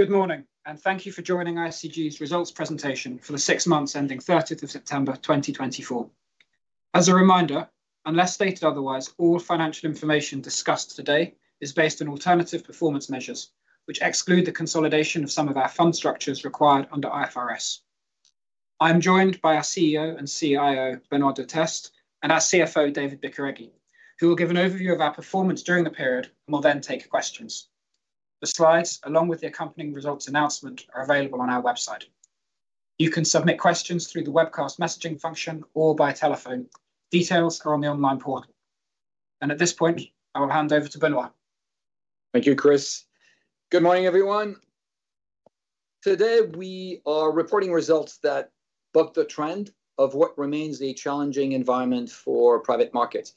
Good morning, and thank you for joining ICG's results presentation for the six months ending 30 September 2024. As a reminder, unless stated otherwise, all financial information discussed today is based on alternative performance measures, which exclude the consolidation of some of our fund structures required under IFRS. I am joined by our CEO and CIO, Benoît Durteste, and our CFO, David Bicarregui, who will give an overview of our performance during the period and will then take questions. The slides, along with the accompanying results announcement, are available on our website. You can submit questions through the webcast messaging function or by telephone. Details are on the online portal. At this point, I will hand over to Benoît. Thank you, Chris. Good morning, everyone. Today, we are reporting results that buck the trend of what remains a challenging environment for private markets.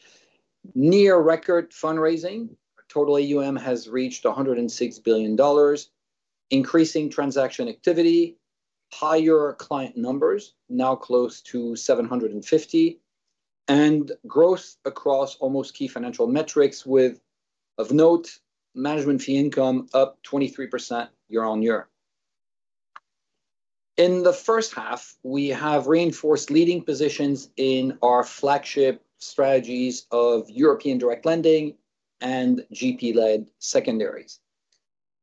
Near-record fundraising. Total AUM has reached $106 billion. Increasing transaction activity. Higher client numbers, now close to 750. And growth across all key financial metrics, with, of note, management fee income up 23% year-on-year. In the first half, we have reinforced leading positions in our flagship strategies of European Direct Lending and GP-led Secondaries.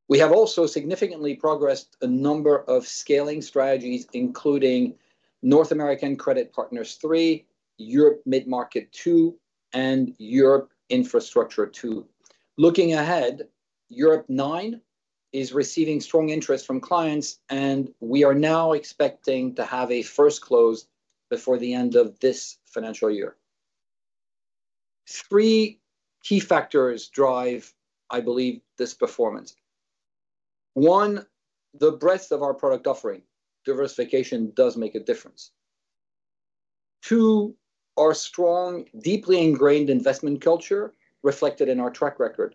We have also significantly progressed a number of scaling strategies, including North American Credit Partners III, Europe Mid-Market II, and Europe Infrastructure II. Looking ahead, Europe IX is receiving strong interest from clients, and we are now expecting to have a first close before the end of this financial year. Three key factors drive, I believe, this performance. One, the breadth of our product offering. Diversification does make a difference. Two, our strong, deeply ingrained investment culture reflected in our track record.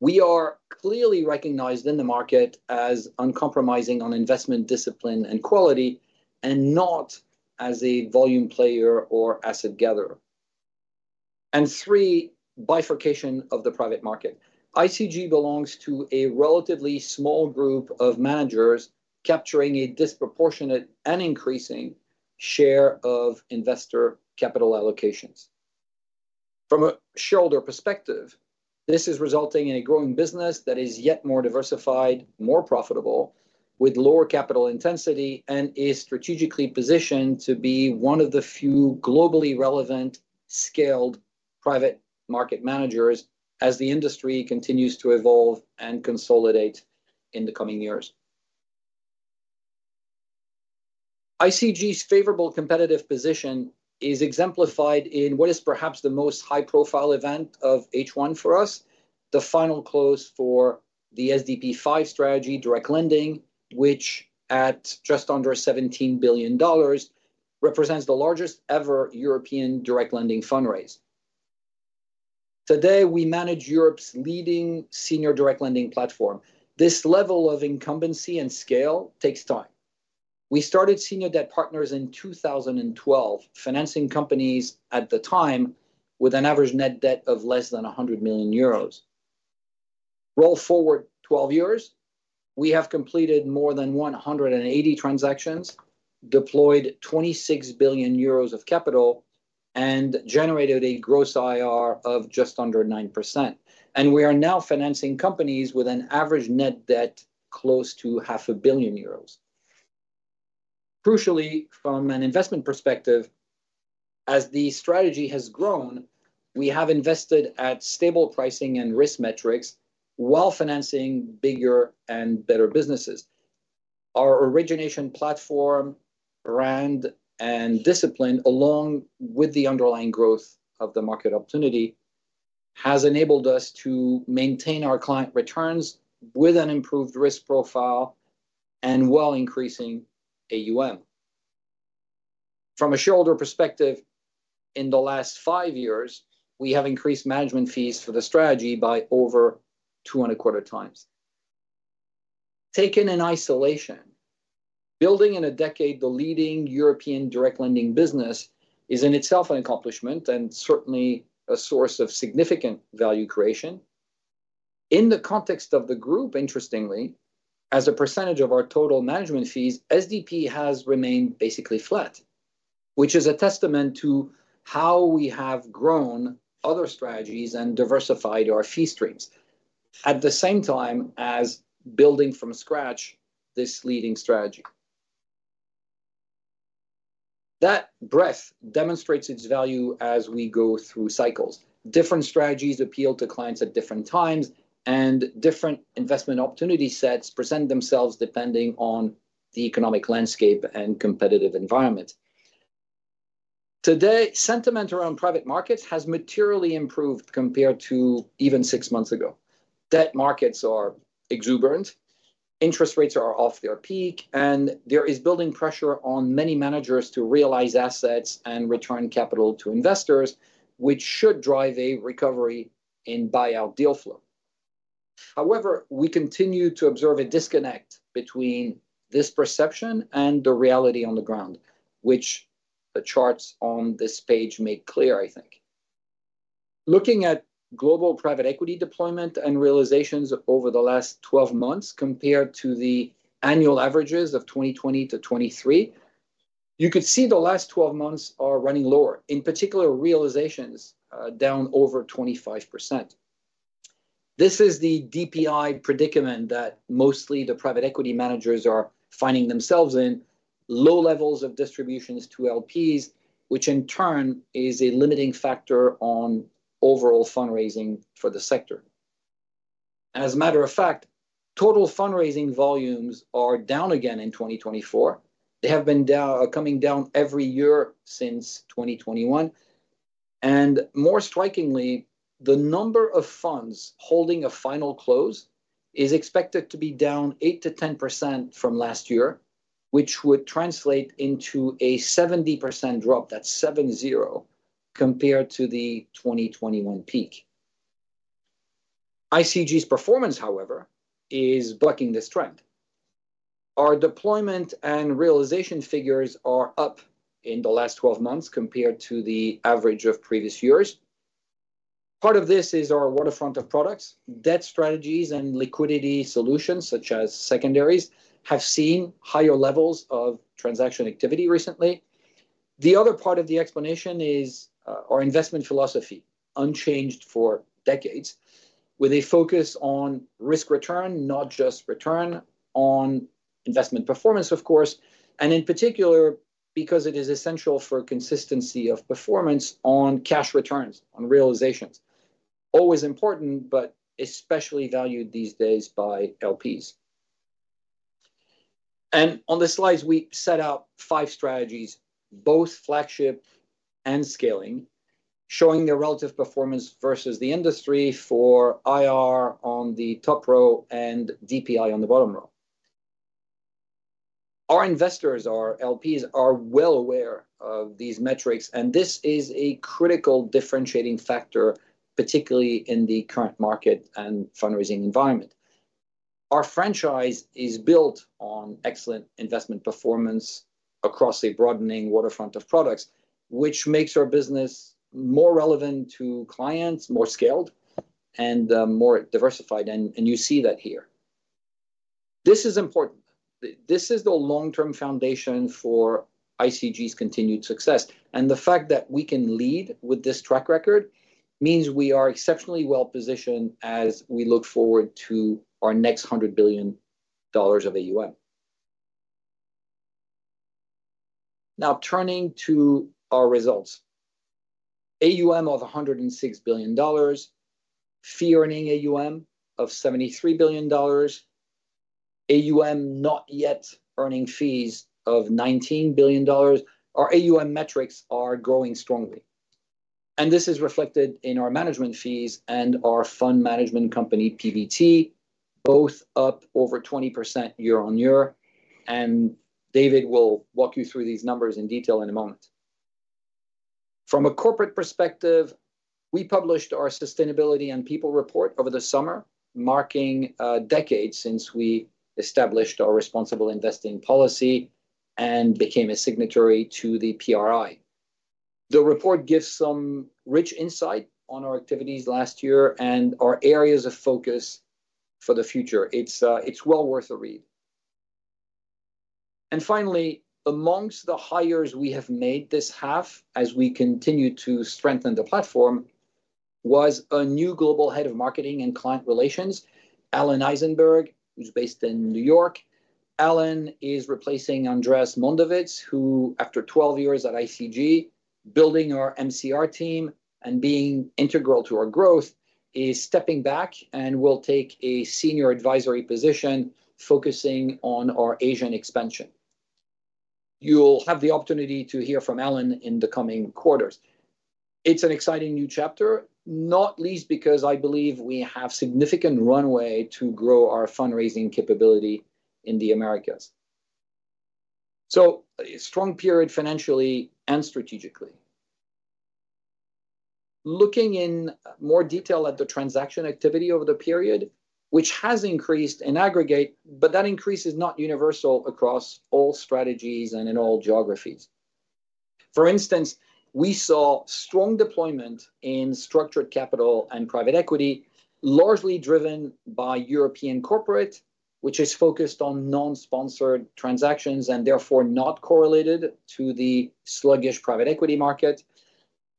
We are clearly recognized in the market as uncompromising on investment discipline and quality, and not as a volume player or asset gatherer, and three, bifurcation of the private market. ICG belongs to a relatively small group of managers capturing a disproportionate and increasing share of investor capital allocations. From a shareholder perspective, this is resulting in a growing business that is yet more diversified, more profitable, with lower capital intensity, and is strategically positioned to be one of the few globally relevant scaled private market managers as the industry continues to evolve and consolidate in the coming years. ICG's favorable competitive position is exemplified in what is perhaps the most high-profile event of H1 for us, the final close for the SDP V strategy direct lending, which, at just under $17 billion, represents the largest ever European direct lending fundraise. Today, we manage Europe's leading senior direct lending platform. This level of incumbency and scale takes time. We started senior debt partners in 2012, financing companies at the time with an average net debt of less than 100 million euros. Roll forward 12 years, we have completed more than 180 transactions, deployed 26 billion euros of capital, and generated a gross IRR of just under 9%, and we are now financing companies with an average net debt close to 500 million euros. Crucially, from an investment perspective, as the strategy has grown, we have invested at stable pricing and risk metrics while financing bigger and better businesses. Our origination platform, brand, and discipline, along with the underlying growth of the market opportunity, has enabled us to maintain our client returns with an improved risk profile and while increasing AUM. From a shareholder perspective, in the last five years, we have increased management fees for the strategy by over two and a quarter times. Taken in isolation, building in a decade the leading European direct lending business is in itself an accomplishment and certainly a source of significant value creation. In the context of the group, interestingly, as a percentage of our total management fees, SDP has remained basically flat, which is a testament to how we have grown other strategies and diversified our fee streams, at the same time as building from scratch this leading strategy. That breadth demonstrates its value as we go through cycles. Different strategies appeal to clients at different times, and different investment opportunity sets present themselves depending on the economic landscape and competitive environment. Today, sentiment around private markets has materially improved compared to even six months ago. Debt markets are exuberant, interest rates are off their peak, and there is building pressure on many managers to realize assets and return capital to investors, which should drive a recovery in buyout deal flow. However, we continue to observe a disconnect between this perception and the reality on the ground, which the charts on this page make clear, I think. Looking at global private equity deployment and realizations over the last 12 months compared to the annual averages of 2020 to 2023, you could see the last 12 months are running lower, in particular, realizations down over 25%. This is the DPI predicament that mostly the private equity managers are finding themselves in: low levels of distributions to LPs, which in turn is a limiting factor on overall fundraising for the sector. As a matter of fact, total fundraising volumes are down again in 2024. They have been coming down every year since 2021, and more strikingly, the number of funds holding a final close is expected to be down 8%-10% from last year, which would translate into a 70% drop, that's 7,0, compared to the 2021 peak. ICG's performance, however, is bucking this trend. Our deployment and realization figures are up in the last 12 months compared to the average of previous years. Part of this is our waterfront of products, debt strategies, and liquidity solutions such as secondaries have seen higher levels of transaction activity recently. The other part of the explanation is our investment philosophy, unchanged for decades, with a focus on risk return, not just return, on investment performance, of course, and in particular because it is essential for consistency of performance on cash returns, on realizations. Always important, but especially valued these days by LPs, and on the slides, we set out five strategies, both flagship and scaling, showing the relative performance versus the industry for IR on the top row and DPI on the bottom row. Our investors, our LPs, are well aware of these metrics, and this is a critical differentiating factor, particularly in the current market and fundraising environment. Our franchise is built on excellent investment performance across a broadening waterfront of products, which makes our business more relevant to clients, more scaled, and more diversified, and you see that here. This is important. This is the long-term foundation for ICG's continued success, and the fact that we can lead with this track record means we are exceptionally well positioned as we look forward to our next $100 billion of AUM. Now, turning to our results. AUM of $106 billion, fee-earning AUM of $73 billion, AUM not yet earning fees of $19 billion. Our AUM metrics are growing strongly, and this is reflected in our management fees and our fund management company, PBT, both up over 20% year-on-year, and David will walk you through these numbers in detail in a moment. From a corporate perspective, we published our sustainability and people report over the summer, marking a decade since we established our responsible investing policy and became a signatory to the PRI. The report gives some rich insight on our activities last year and our areas of focus for the future. It's well worth a read. And finally, amongst the hires we have made this half, as we continue to strengthen the platform, was a new global head of marketing and client relations, Alan Eisenberg, who's based in New York. Alan is replacing Andreas Mondovits, who, after 12 years at ICG, building our MCR team and being integral to our growth, is stepping back and will take a senior advisory position focusing on our Asian expansion. You'll have the opportunity to hear from Alan in the coming quarters. It's an exciting new chapter, not least because I believe we have a significant runway to grow our fundraising capability in the Americas. So, a strong period financially and strategically. Looking in more detail at the transaction activity over the period, which has increased in aggregate, but that increase is not universal across all strategies and in all geographies. For instance, we saw strong deployment in structured capital and private equity, largely driven by European Corporate, which is focused on non-sponsored transactions and therefore not correlated to the sluggish private equity market,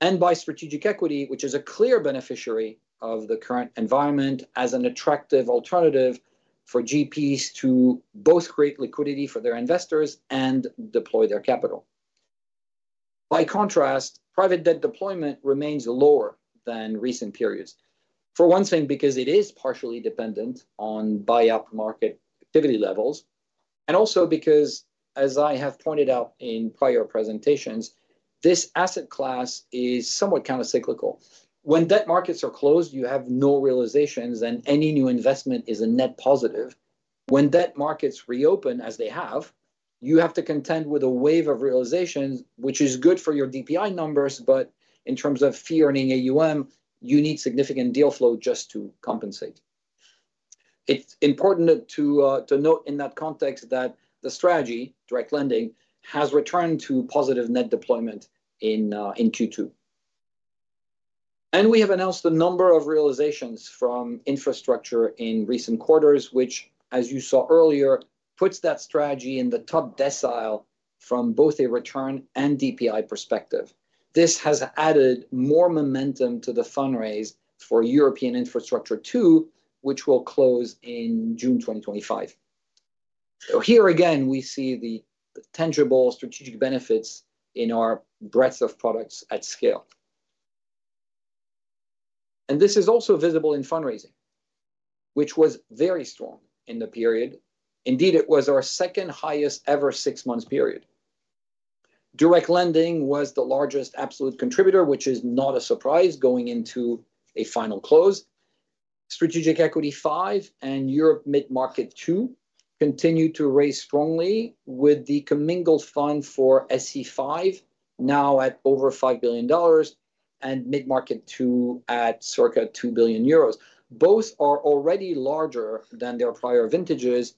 and by strategic equity, which is a clear beneficiary of the current environment as an attractive alternative for GPs to both create liquidity for their investors and deploy their capital. By contrast, private debt deployment remains lower than recent periods. For one thing, because it is partially dependent on buyout market activity levels, and also because, as I have pointed out in prior presentations, this asset class is somewhat countercyclical. When debt markets are closed, you have no realizations, and any new investment is a net positive. When debt markets reopen, as they have, you have to contend with a wave of realizations, which is good for your DPI numbers, but in terms of fee-earning AUM, you need significant deal flow just to compensate. It's important to note in that context that the strategy, direct lending, has returned to positive net deployment in Q2, and we have announced a number of realizations from infrastructure in recent quarters, which, as you saw earlier, puts that strategy in the top decile from both a return and DPI perspective. This has added more momentum to the fundraise for European Infrastructure II, which will close in June 2025, so here again, we see the tangible strategic benefits in our breadth of products at scale, and this is also visible in fundraising, which was very strong in the period. Indeed, it was our second highest ever six-month period. Direct lending was the largest absolute contributor, which is not a surprise going into a final close. Strategic Equity V and Europe Mid-Market II continued to raise strongly, with the commingled fund for SE5 now at over $5 billion and Mid-Market 2 at circa 2 billion euros. Both are already larger than their prior vintages,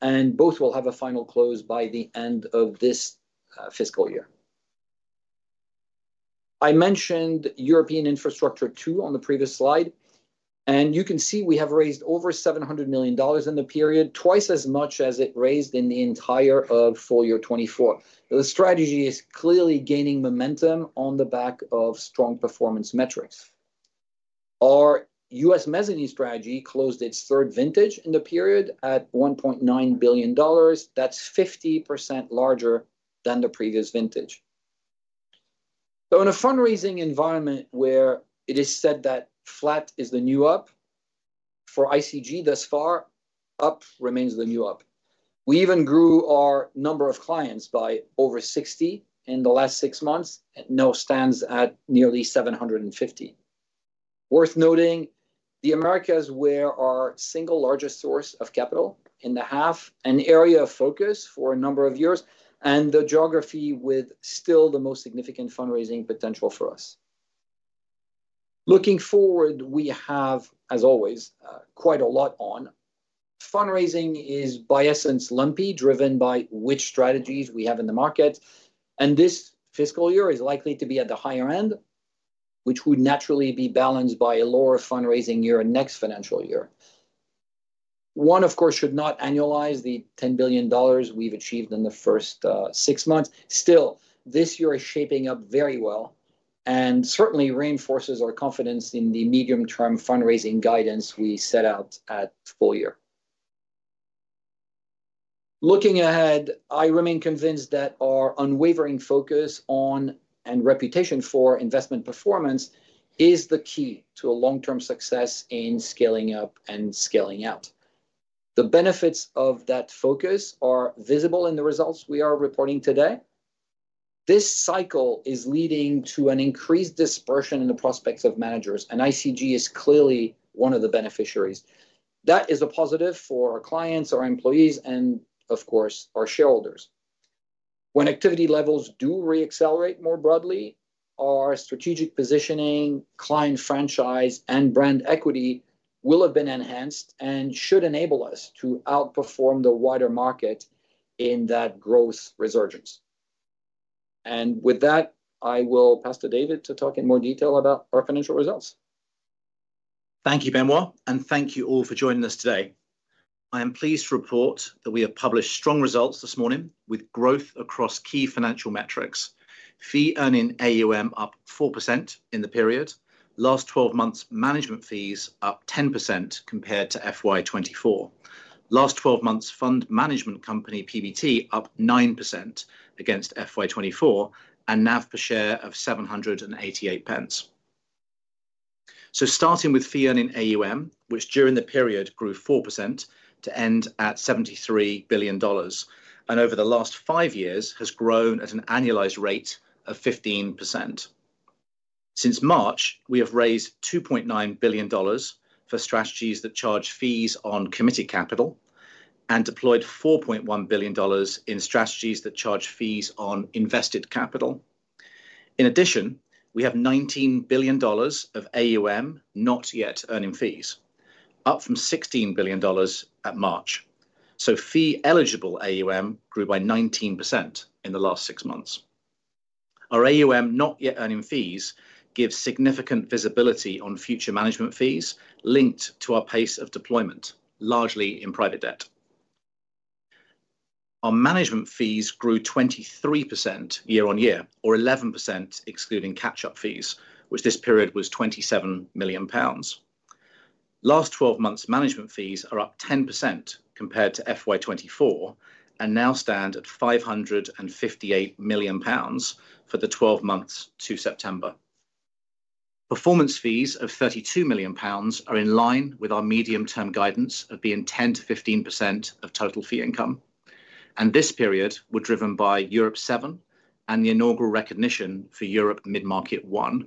and both will have a final close by the end of this fiscal year. I mentioned European Infrastructure II on the previous slide, and you can see we have raised over $700 million in the period, twice as much as it raised in the entire full year 2024. The strategy is clearly gaining momentum on the back of strong performance metrics. Our US Mezzanine strategy closed its third vintage in the period at $1.9 billion. That's 50% larger than the previous vintage. So in a fundraising environment where it is said that flat is the new up, for ICG thus far, up remains the new up. We even grew our number of clients by over 60 in the last six months and now stands at nearly 750. Worth noting, the Americas were our single largest source of capital in the half, an area of focus for a number of years, and the geography with still the most significant fundraising potential for us. Looking forward, we have, as always, quite a lot on. Fundraising is by essence lumpy, driven by which strategies we have in the market, and this fiscal year is likely to be at the higher end, which would naturally be balanced by a lower fundraising year next financial year. One, of course, should not annualize the $10 billion we've achieved in the first six months. Still, this year is shaping up very well and certainly reinforces our confidence in the medium-term fundraising guidance we set out at full year. Looking ahead, I remain convinced that our unwavering focus on and reputation for investment performance is the key to a long-term success in scaling up and scaling out. The benefits of that focus are visible in the results we are reporting today. This cycle is leading to an increased dispersion in the prospects of managers, and ICG is clearly one of the beneficiaries. That is a positive for our clients, our employees, and of course, our shareholders. When activity levels do reaccelerate more broadly, our strategic positioning, client franchise, and brand equity will have been enhanced and should enable us to outperform the wider market in that growth resurgence. And with that, I will pass to David to talk in more detail about our financial results. Thank you, Benoît, and thank you all for joining us today. I am pleased to report that we have published strong results this morning with growth across key financial metrics. Fee-earning AUM up 4% in the period. Last 12 months management fees up 10% compared to FY24. Last 12 months fund management company PBT up 9% against FY24 and NAV per share of 7.88. So starting with fee-earning AUM, which during the period grew 4% to end at $73 billion, and over the last five years has grown at an annualized rate of 15%. Since March, we have raised $2.9 billion for strategies that charge fees on committed capital and deployed $4.1 billion in strategies that charge fees on invested capital. In addition, we have $19 billion of AUM not yet earning fees, up from $16 billion at March. Fee-eligible AUM grew by 19% in the last six months. Our AUM not yet earning fees gives significant visibility on future management fees linked to our pace of deployment, largely in private debt. Our management fees grew 23% year-on-year, or 11% excluding catch-up fees, which this period was 27 million pounds. Last 12 months management fees are up 10% compared to FY24 and now stand at 558 million pounds for the 12 months to September. Performance fees of 32 million pounds are in line with our medium-term guidance of being 10%-15% of total fee income, and this period was driven by Europe VII and the inaugural recognition for Europe Mid-Market I.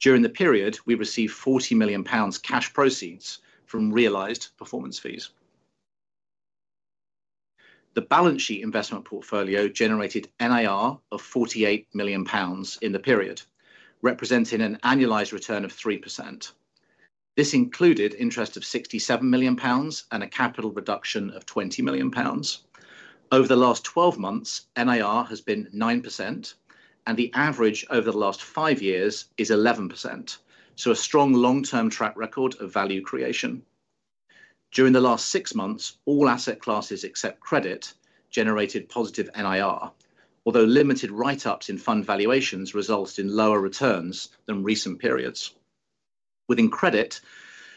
During the period, we received 40 million pounds cash proceeds from realized performance fees. The balance sheet investment portfolio generated NIR of 48 million pounds in the period, representing an annualized return of 3%. This included interest of 67 million pounds and a capital reduction of 20 million pounds. Over the last 12 months, NIR has been 9%, and the average over the last five years is 11%. So a strong long-term track record of value creation. During the last six months, all asset classes except credit generated positive NIR, although limited write-ups in fund valuations result in lower returns than recent periods. Within credit,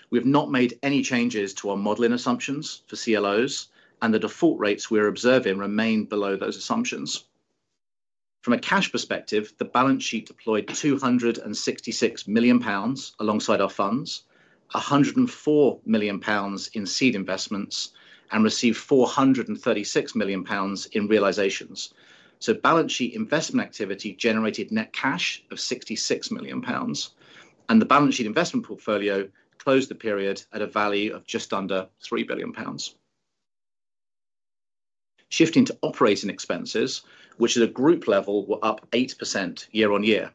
we have not made any changes to our modeling assumptions for CLOs, and the default rates we are observing remain below those assumptions. From a cash perspective, the balance sheet deployed 266 million pounds alongside our funds, 104 million pounds in seed investments, and received 436 million pounds in realizations. So balance sheet investment activity generated net cash of 66 million pounds, and the balance sheet investment portfolio closed the period at a value of just under 3 billion pounds. Shifting to operating expenses, which at a group level were up 8% year-on-year.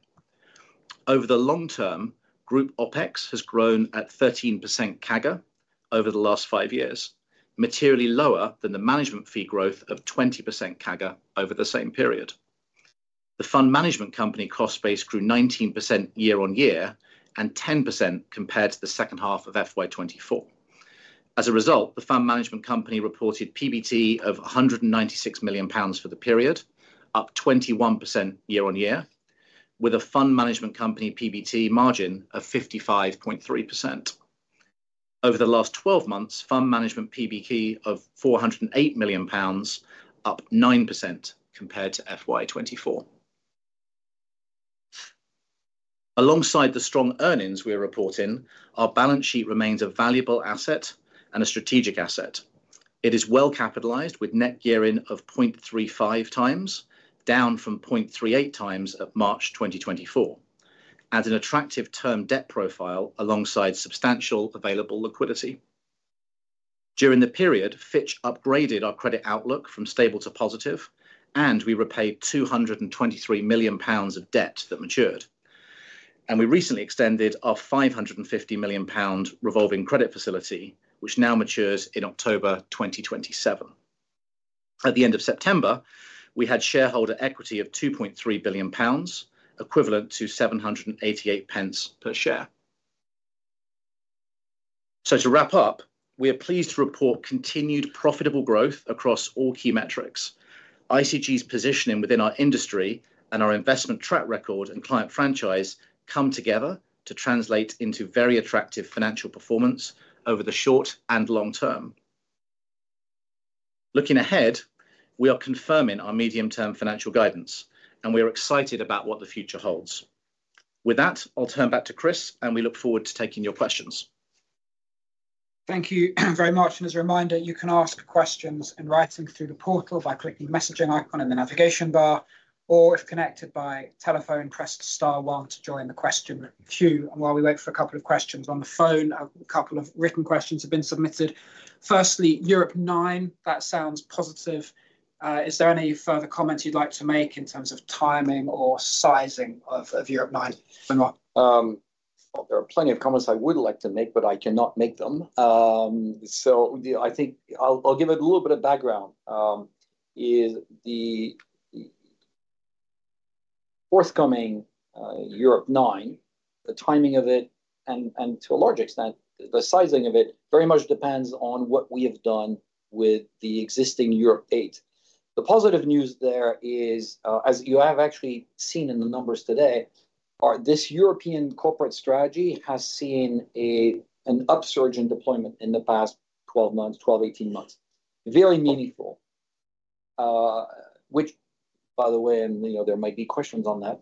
Over the long term, group OpEx has grown at 13% CAGR over the last five years, materially lower than the management fee growth of 20% CAGR over the same period. The fund management company cost base grew 19% year-on-year and 10% compared to the second half of FY24. As a result, the fund management company reported PBT of 196 million pounds for the period, up 21% year-on-year, with a fund management company PBT margin of 55.3%. Over the last 12 months, fund management PBT of 408 million pounds, up 9% compared to FY24. Alongside the strong earnings we are reporting, our balance sheet remains a valuable asset and a strategic asset. It is well capitalized with net gearing of 0.35 times, down from 0.38 times at March 2024, and an attractive term debt profile alongside substantial available liquidity. During the period, Fitch upgraded our credit outlook from stable to positive, and we repaid 223 million pounds of debt that matured, and we recently extended our 550 million pound revolving credit facility, which now matures in October 2027. At the end of September, we had shareholder equity of 2.3 billion pounds, equivalent to 788 per share, so to wrap up, we are pleased to report continued profitable growth across all key metrics. ICG's positioning within our industry and our investment track record and client franchise come together to translate into very attractive financial performance over the short and long term. Looking ahead, we are confirming our medium-term financial guidance, and we are excited about what the future holds. With that, I'll turn back to Chris, and we look forward to taking your questions. Thank you very much. As a reminder, you can ask questions in writing through the portal by clicking the messaging icon in the navigation bar, or if connected by telephone, press the star one to join the question queue. While we wait for a couple of questions on the phone, a couple of written questions have been submitted. Firstly, Europe IX, that sounds positive. Is there any further comments you'd like to make in terms of timing or sizing of Europe IX? There are plenty of comments I would like to make, but I cannot make them. I think I'll give it a little bit of background. The forthcoming Europe IX, the timing of it, and to a large extent, the sizing of it very much depends on what we have done with the existing Europe VIII. The positive news there is, as you have actually seen in the numbers today, this European Corporate strategy has seen an upsurge in deployment in the past 12 months, 12, 18 months. Very meaningful, which, by the way, there might be questions on that,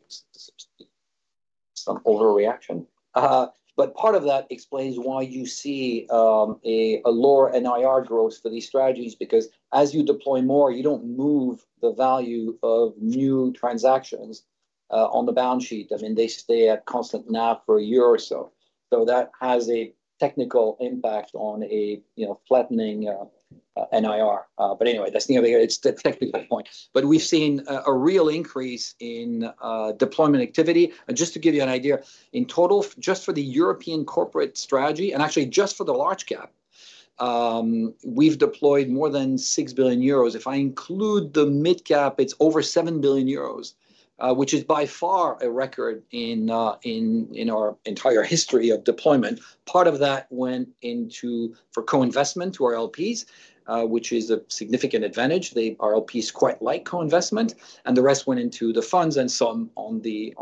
some overreaction. But part of that explains why you see a lower NIR growth for these strategies, because as you deploy more, you don't move the value of new transactions on the balance sheet. I mean, they stay at constant NAV for a year or so. So that has a technical impact on a flattening NIR. But anyway, that's the end of the game. It's the technical point. But we've seen a real increase in deployment activity. And just to give you an idea, in total, just for the European Corporate strategy, and actually just for the large cap, we've deployed more than 6 billion euros. If I include the mid-market, it's over 7 billion euros, which is by far a record in our entire history of deployment. Part of that went into co-investment to our LPs, which is a significant advantage. Our LPs quite like co-investment, and the rest went into the funds and some on the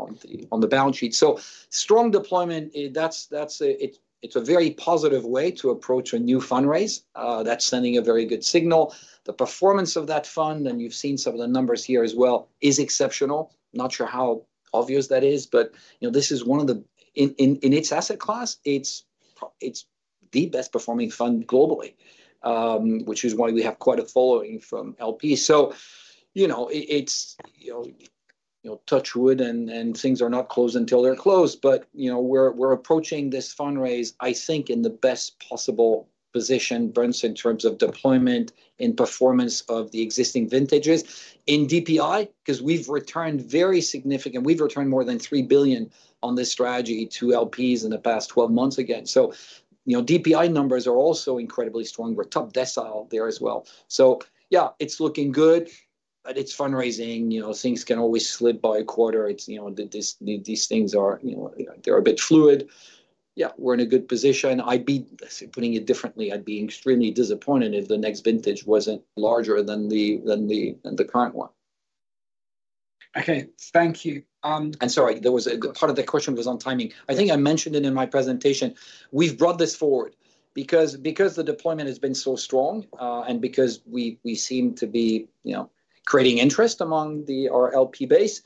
balance sheet. So strong deployment, it's a very positive way to approach a new fundraise. That's sending a very good signal. The performance of that fund, and you've seen some of the numbers here as well, is exceptional. Not sure how obvious that is, but this is one of the, in its asset class, it's the best-performing fund globally, which is why we have quite a following from LPs. So it's touch wood, and things are not closed until they're closed, but we're approaching this fundraise, I think, in the best possible position, Brents, in terms of deployment and performance of the existing vintages in DPI, because we've returned very significantly. We've returned more than 3 billion on this strategy to LPs in the past 12 months again. So DPI numbers are also incredibly strong. We're top decile there as well. So yeah, it's looking good, but it's fundraising. Things can always slip by a quarter. These things are, they're a bit fluid. Yeah, we're in a good position. I'd be, let's say, putting it differently, I'd be extremely disappointed if the next vintage wasn't larger than the current one. Okay, thank you. And sorry, there was a part of the question was on timing. I think I mentioned it in my presentation. We've brought this forward because the deployment has been so strong and because we seem to be creating interest among our LP base.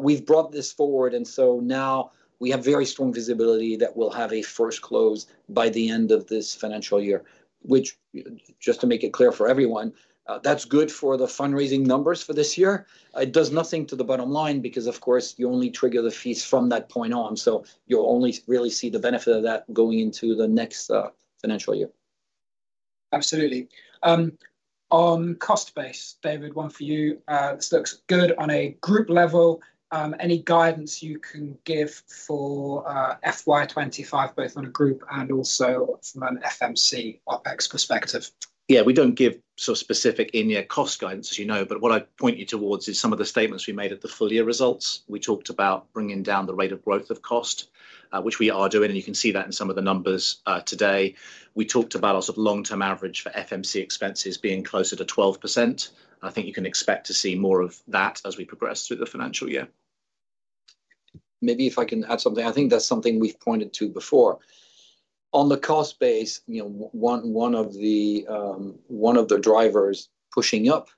We've brought this forward, and so now we have very strong visibility that we'll have a first close by the end of this financial year, which, just to make it clear for everyone, that's good for the fundraising numbers for this year. It does nothing to the bottom line because, of course, you only trigger the fees from that point on. So you'll only really see the benefit of that going into the next financial year. Absolutely. On cost base, David, one for you. This looks good on a group level. Any guidance you can give for FY25, both on a group and also from an FMC OpEx perspective? Yeah, we don't give sort of specific in-year cost guidance, as you know, but what I point you towards is some of the statements we made at the full year results. We talked about bringing down the rate of growth of cost, which we are doing, and you can see that in some of the numbers today. We talked about our sort of long-term average for FMC expenses being closer to 12%. I think you can expect to see more of that as we progress through the financial year. Maybe if I can add something, I think that's something we've pointed to before. On the cost base, one of the drivers pushing up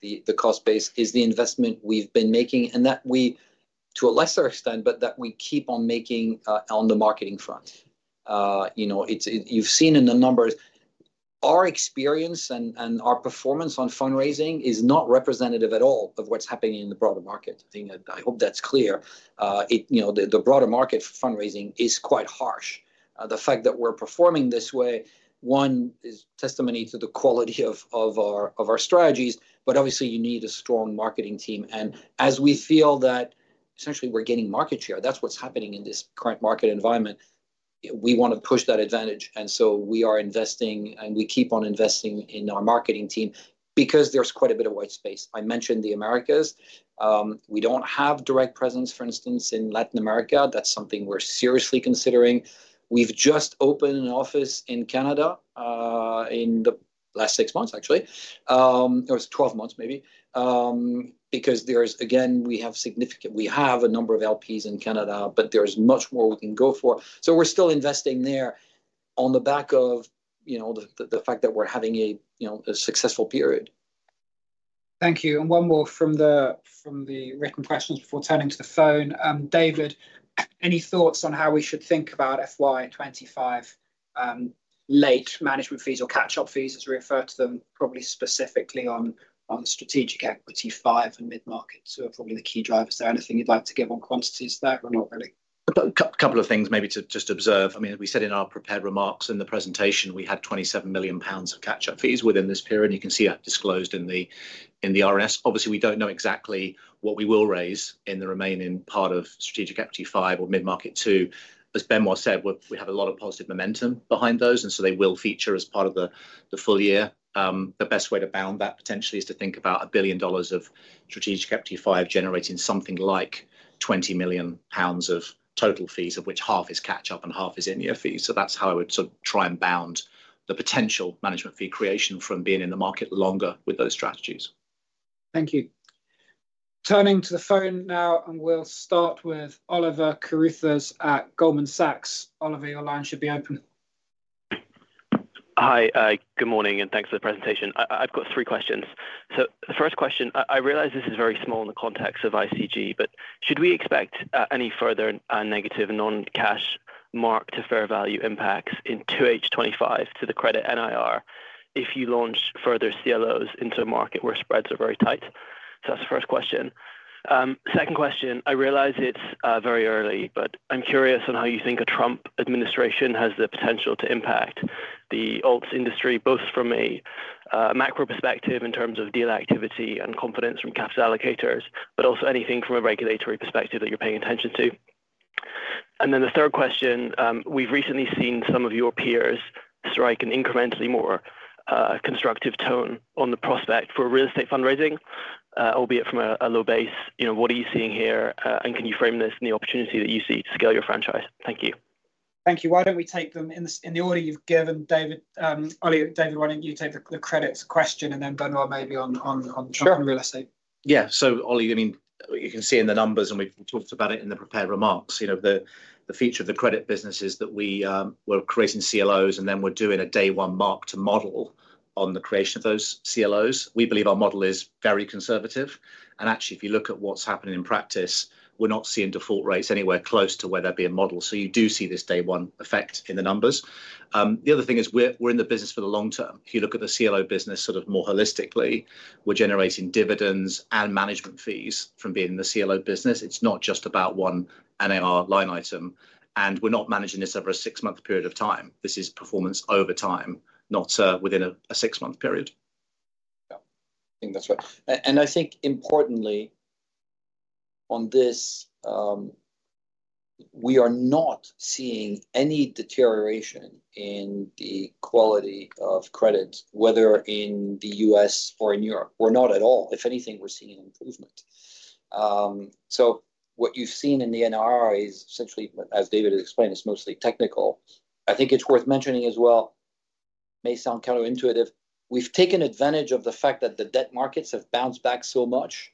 the cost base is the investment we've been making and, to a lesser extent, we keep on making on the marketing front. You've seen in the numbers, our experience and our performance on fundraising is not representative at all of what's happening in the broader market. I hope that's clear. The broader market for fundraising is quite harsh. The fact that we're performing this way, one, is testimony to the quality of our strategies, but obviously, you need a strong marketing team, and as we feel that essentially we're getting market share, that's what's happening in this current market environment. We want to push that advantage, and so we are investing, and we keep on investing in our marketing team because there's quite a bit of white space. I mentioned the Americas. We don't have direct presence, for instance, in Latin America. That's something we're seriously considering. We've just opened an office in Canada in the last six months, actually. It was 12 months, maybe, because there's, again, we have significant, we have a number of LPs in Canada, but there's much more we can go for. So we're still investing there on the back of the fact that we're having a successful period. Thank you. And one more from the written questions before turning to the phone. David, any thoughts on how we should think about FY25 late management fees or catch-up fees, as we refer to them, probably specifically on strategic equity five and mid-markets who are probably the key drivers there? Anything you'd like to give on quantities there or not really? A couple of things maybe to just observe. I mean, as we said in our prepared remarks in the presentation, we had 27 million pounds of catch-up fees within this period. You can see that disclosed in the RNS. Obviously, we don't know exactly what we will raise in the remaining part of strategic equity five or mid-market two. As Ben said, we have a lot of positive momentum behind those, and so they will feature as part of the full year. The best way to bound that potentially is to think about $1 billion of strategic equity five generating something like 20 million pounds of total fees, of which half is catch-up and half is in-year fees. So that's how I would sort of try and bound the potential management fee creation from being in the market longer with those strategies. Thank you. Turning to the phone now, and we'll start with Oliver Carruthers at Goldman Sachs. Oliver, your line should be open. Hi, good morning, and thanks for the presentation. I've got three questions. So the first question, I realize this is very small in the context of ICG, but should we expect any further negative non-cash mark to fair value impacts in 2H25 to the credit NIR if you launch further CLOs into a market where spreads are very tight? So that's the first question. Second question, I realize it's very early, but I'm curious on how you think a Trump administration has the potential to impact the alts industry, both from a macro perspective in terms of deal activity and confidence from capital allocators, but also anything from a regulatory perspective that you're paying attention to. And then the third question, we've recently seen some of your peers strike an incrementally more constructive tone on the prospect for real estate fundraising, albeit from a low base. What are you seeing here, and can you frame this in the opportunity that you see to scale your franchise? Thank you. Thank you. Why don't we take them in the order you've given, David? Oliver, why don't you take the credits question, and then Ben will maybe on Trump and real estate. Yeah. So Oliver, I mean, you can see in the numbers, and we've talked about it in the prepared remarks, the feature of the credit business is that we're creating CLOs, and then we're doing a day-one mark-to-model on the creation of those CLOs. We believe our model is very conservative. And actually, if you look at what's happening in practice, we're not seeing default rates anywhere close to where there'd be a model. So you do see this day-one effect in the numbers. The other thing is we're in the business for the long term. If you look at the CLO business sort of more holistically, we're generating dividends and management fees from being in the CLO business. It's not just about one NIR line item, and we're not managing this over a six-month period of time. This is performance over time, not within a six-month period. I think that's right. And I think importantly, on this, we are not seeing any deterioration in the quality of credits, whether in the U.S. or in Europe. We're not at all. If anything, we're seeing improvement. So what you've seen in the NIR is essentially, as David has explained, it's mostly technical. I think it's worth mentioning as well, may sound counterintuitive, we've taken advantage of the fact that the debt markets have bounced back so much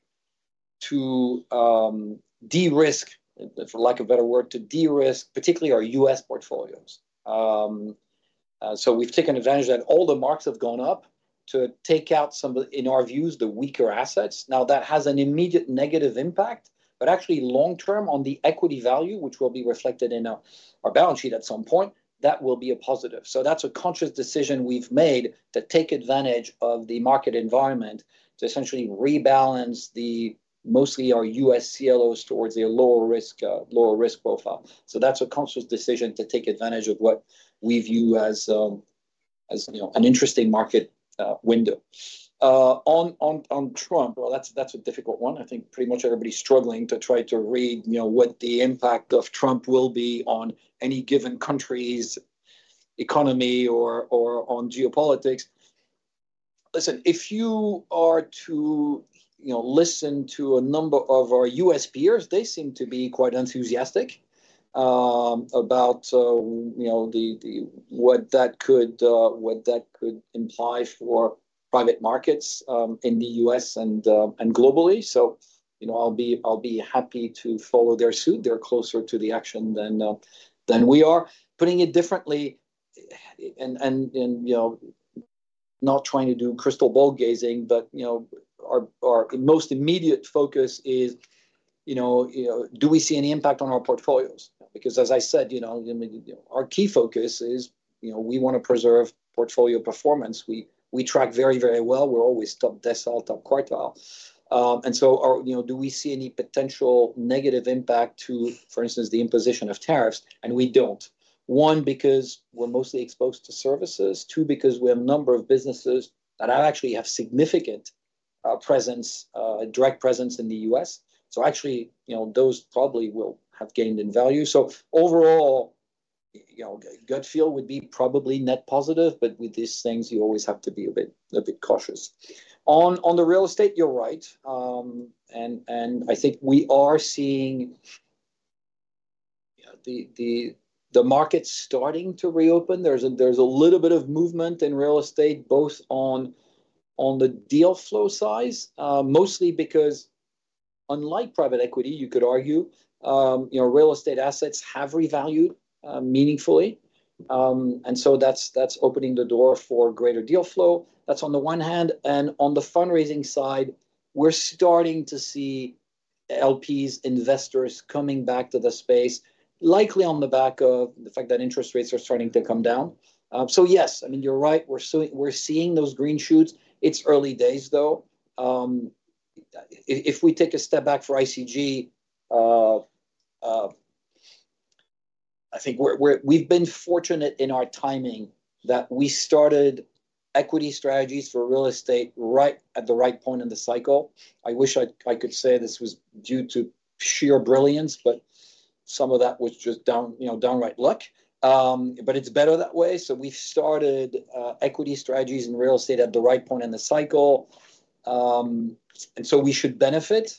to de-risk, for lack of a better word, to de-risk, particularly our U.S. portfolios. So we've taken advantage that all the marks have gone up to take out, in our views, the weaker assets. Now, that has an immediate negative impact, but actually long term on the equity value, which will be reflected in our balance sheet at some point, that will be a positive. So that's a conscious decision we've made to take advantage of the market environment to essentially rebalance mostly our U.S. CLOs towards a lower risk profile. So that's a conscious decision to take advantage of what we view as an interesting market window. On Trump, well, that's a difficult one. I think pretty much everybody's struggling to try to read what the impact of Trump will be on any given country's economy or on geopolitics. Listen, if you are to listen to a number of our U.S. peers, they seem to be quite enthusiastic about what that could imply for private markets in the U.S. and globally. So I'll be happy to follow their suit. They're closer to the action than we are. Putting it differently, and not trying to do crystal ball gazing, but our most immediate focus is, do we see any impact on our portfolios? Because, as I said, our key focus is we want to preserve portfolio performance. We track very, very well. We're always top decile, top quartile. And so do we see any potential negative impact to, for instance, the imposition of tariffs? And we don't. One, because we're mostly exposed to services. Two, because we have a number of businesses that actually have significant direct presence in the U.S. So actually, those probably will have gained in value. So overall, gut feel would be probably net positive, but with these things, you always have to be a bit cautious. On the real estate, you're right, and I think we are seeing the markets starting to reopen. There's a little bit of movement in real estate, both on the deal flow size, mostly because, unlike private equity, you could argue, real estate assets have revalued meaningfully, and so that's opening the door for greater deal flow. That's on the one hand, and on the fundraising side, we're starting to see LPs, investors coming back to the space, likely on the back of the fact that interest rates are starting to come down, so yes, I mean, you're right. We're seeing those green shoots. It's early days, though. If we take a step back for ICG, I think we've been fortunate in our timing that we started equity strategies for real estate right at the right point in the cycle. I wish I could say this was due to sheer brilliance, but some of that was just downright luck. But it's better that way. So we've started equity strategies in real estate at the right point in the cycle. And so we should benefit.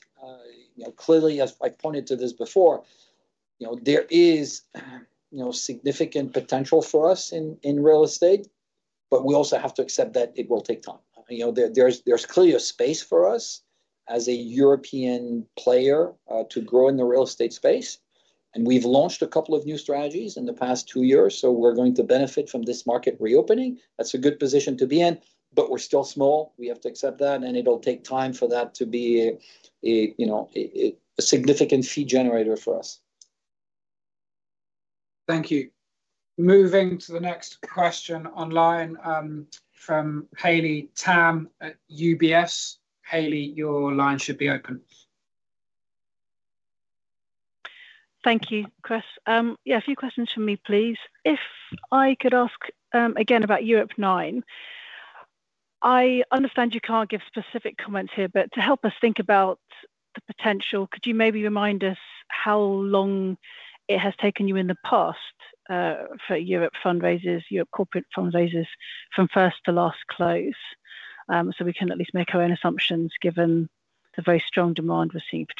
Clearly, as I pointed to this before, there is significant potential for us in real estate, but we also have to accept that it will take time. There's clearly a space for us as a European player to grow in the real estate space. And we've launched a couple of new strategies in the past two years, so we're going to benefit from this market reopening. That's a good position to be in, but we're still small. We have to accept that, and it'll take time for that to be a significant fee generator for us. Thank you. Moving to the next question online from Haley Tam at UBS. Haley, your line should be open. Thank you, Chris. Yeah, a few questions from me, please. If I could ask again about Europe IX, I understand you can't give specific comments here, but to help us think about the potential, could you maybe remind us how long it has taken you in the past for Europe fundraisers, Europe corporate fundraisers from first to last close? So we can at least make our own assumptions given the very strong demand we've seen for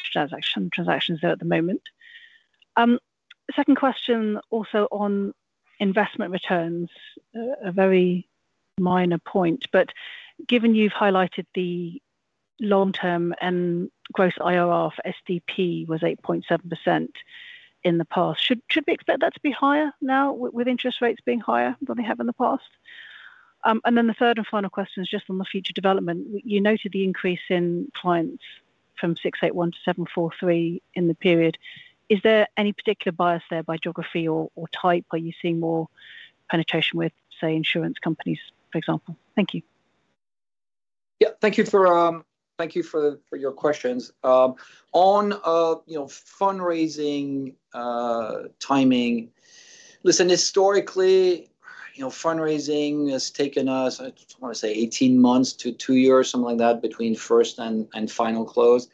transactions there at the moment. Second question also on investment returns, a very minor point, but given you've highlighted the long-term and gross IRR for SDP was 8.7% in the past, should we expect that to be higher now with interest rates being higher than they have in the past? And then the third and final question is just on the future development. You noted the increase in clients from 681 to 743 in the period. Is there any particular bias there by geography or type? Are you seeing more penetration with, say, insurance companies, for example? Thank you. Yeah. Thank you for your questions. On fundraising timing, listen, historically, fundraising has taken us, I want to say, 18 months to two years, something like that, between first and final close.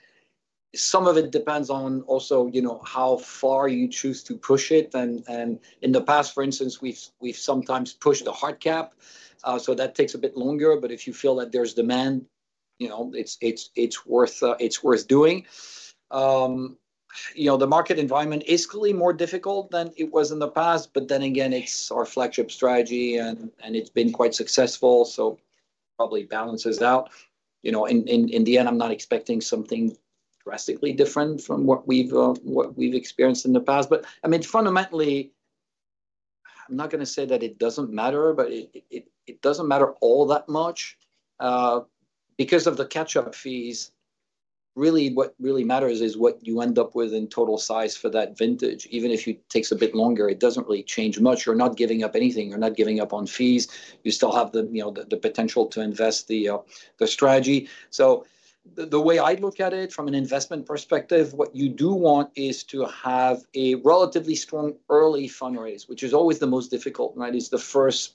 Some of it depends on also how far you choose to push it. In the past, for instance, we've sometimes pushed the hard cap, so that takes a bit longer. If you feel that there's demand, it's worth doing. The market environment is clearly more difficult than it was in the past, but then again, it's our flagship strategy, and it's been quite successful, so it probably balances out. In the end, I'm not expecting something drastically different from what we've experienced in the past. I mean, fundamentally, I'm not going to say that it doesn't matter, but it doesn't matter all that much. Because of the catch-up fees, really what really matters is what you end up with in total size for that vintage. Even if it takes a bit longer, it doesn't really change much. You're not giving up anything. You're not giving up on fees. You still have the potential to invest the strategy. The way I look at it from an investment perspective, what you do want is to have a relatively strong early fundraise, which is always the most difficult, right? It's the first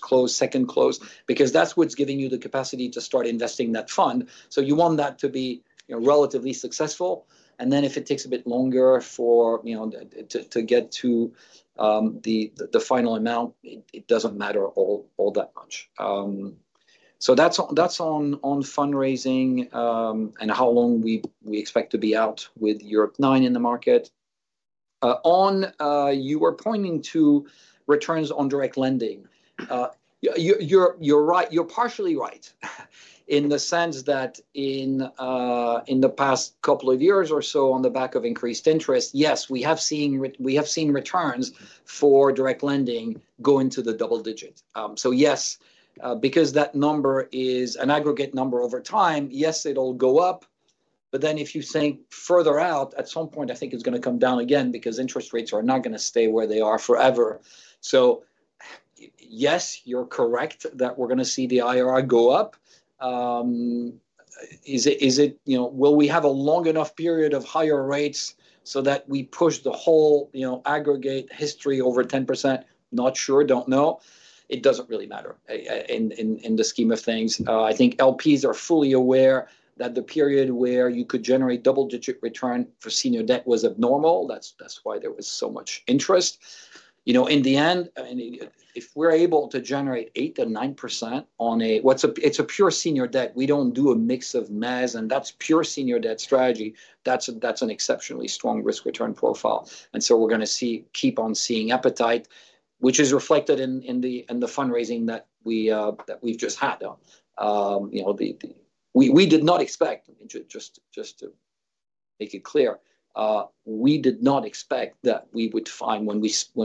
close, second close, because that's what's giving you the capacity to start investing that fund. So you want that to be relatively successful. And then if it takes a bit longer to get to the final amount, it doesn't matter all that much. So that's on fundraising and how long we expect to be out with Europe IX in the market. You were pointing to returns on direct lending. You're right. You're partially right in the sense that in the past couple of years or so, on the back of increased interest, yes, we have seen returns for direct lending go into the double digit. So yes, because that number is an aggregate number over time, yes, it'll go up. But then if you think further out, at some point, I think it's going to come down again because interest rates are not going to stay where they are forever. So yes, you're correct that we're going to see the IRR go up. Will we have a long enough period of higher rates so that we push the whole aggregate history over 10%? Not sure. Don't know. It doesn't really matter in the scheme of things. I think LPs are fully aware that the period where you could generate double-digit return for senior debt was abnormal. That's why there was so much interest. In the end, if we're able to generate 8%-9% on a—it's a pure senior debt. We don't do a mix of mezz, and that's pure senior debt strategy. That's an exceptionally strong risk-return profile, and so we're going to keep on seeing appetite, which is reflected in the fundraising that we've just had. We did not expect—just to make it clear—we did not expect that we would find, when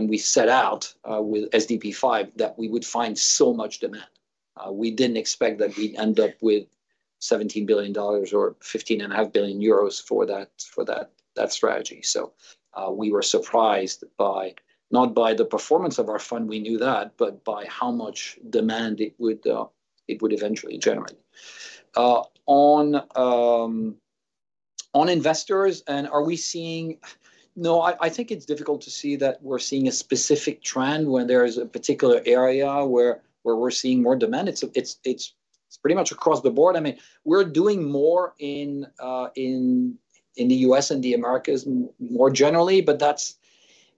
we set out with SDP V, that we would find so much demand. We didn't expect that we'd end up with $17 billion or 15.5 billion euros for that strategy. So we were surprised not by the performance of our fund, we knew that, but by how much demand it would eventually generate. On investors, are we seeing? No, I think it's difficult to see that we're seeing a specific trend where there is a particular area where we're seeing more demand. It's pretty much across the board. I mean, we're doing more in the U.S. and the Americas more generally, but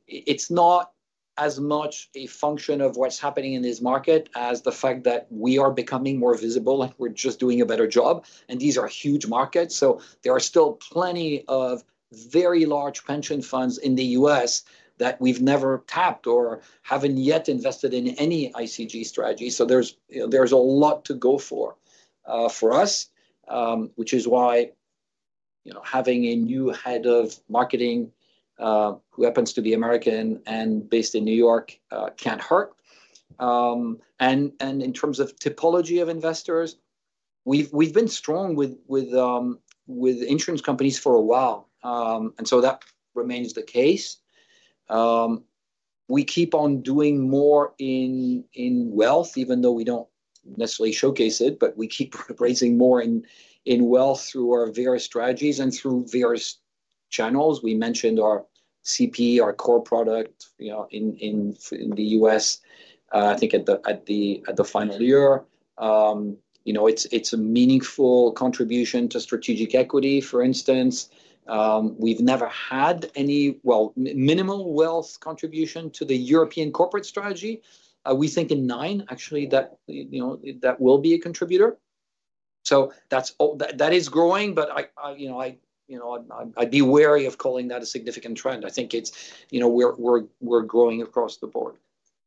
it's not as much a function of what's happening in this market as the fact that we are becoming more visible and we're just doing a better job, and these are huge markets, so there are still plenty of very large pension funds in the U.S. that we've never tapped or haven't yet invested in any ICG strategy, so there's a lot to go for us, which is why having a new head of marketing who happens to be American and based in New York can't hurt, and in terms of typology of investors, we've been strong with insurance companies for a while, and so that remains the case. We keep on doing more in wealth, even though we don't necessarily showcase it, but we keep raising more in wealth through our various strategies and through various channels. We mentioned our CP, our core product in the U.S., I think at the final year. It's a meaningful contribution to strategic equity, for instance. We've never had any, well, minimal wealth contribution to the European Corporate strategy. We think in nine, actually, that will be a contributor, so that is growing, but I'd be wary of calling that a significant trend. I think we're growing across the board.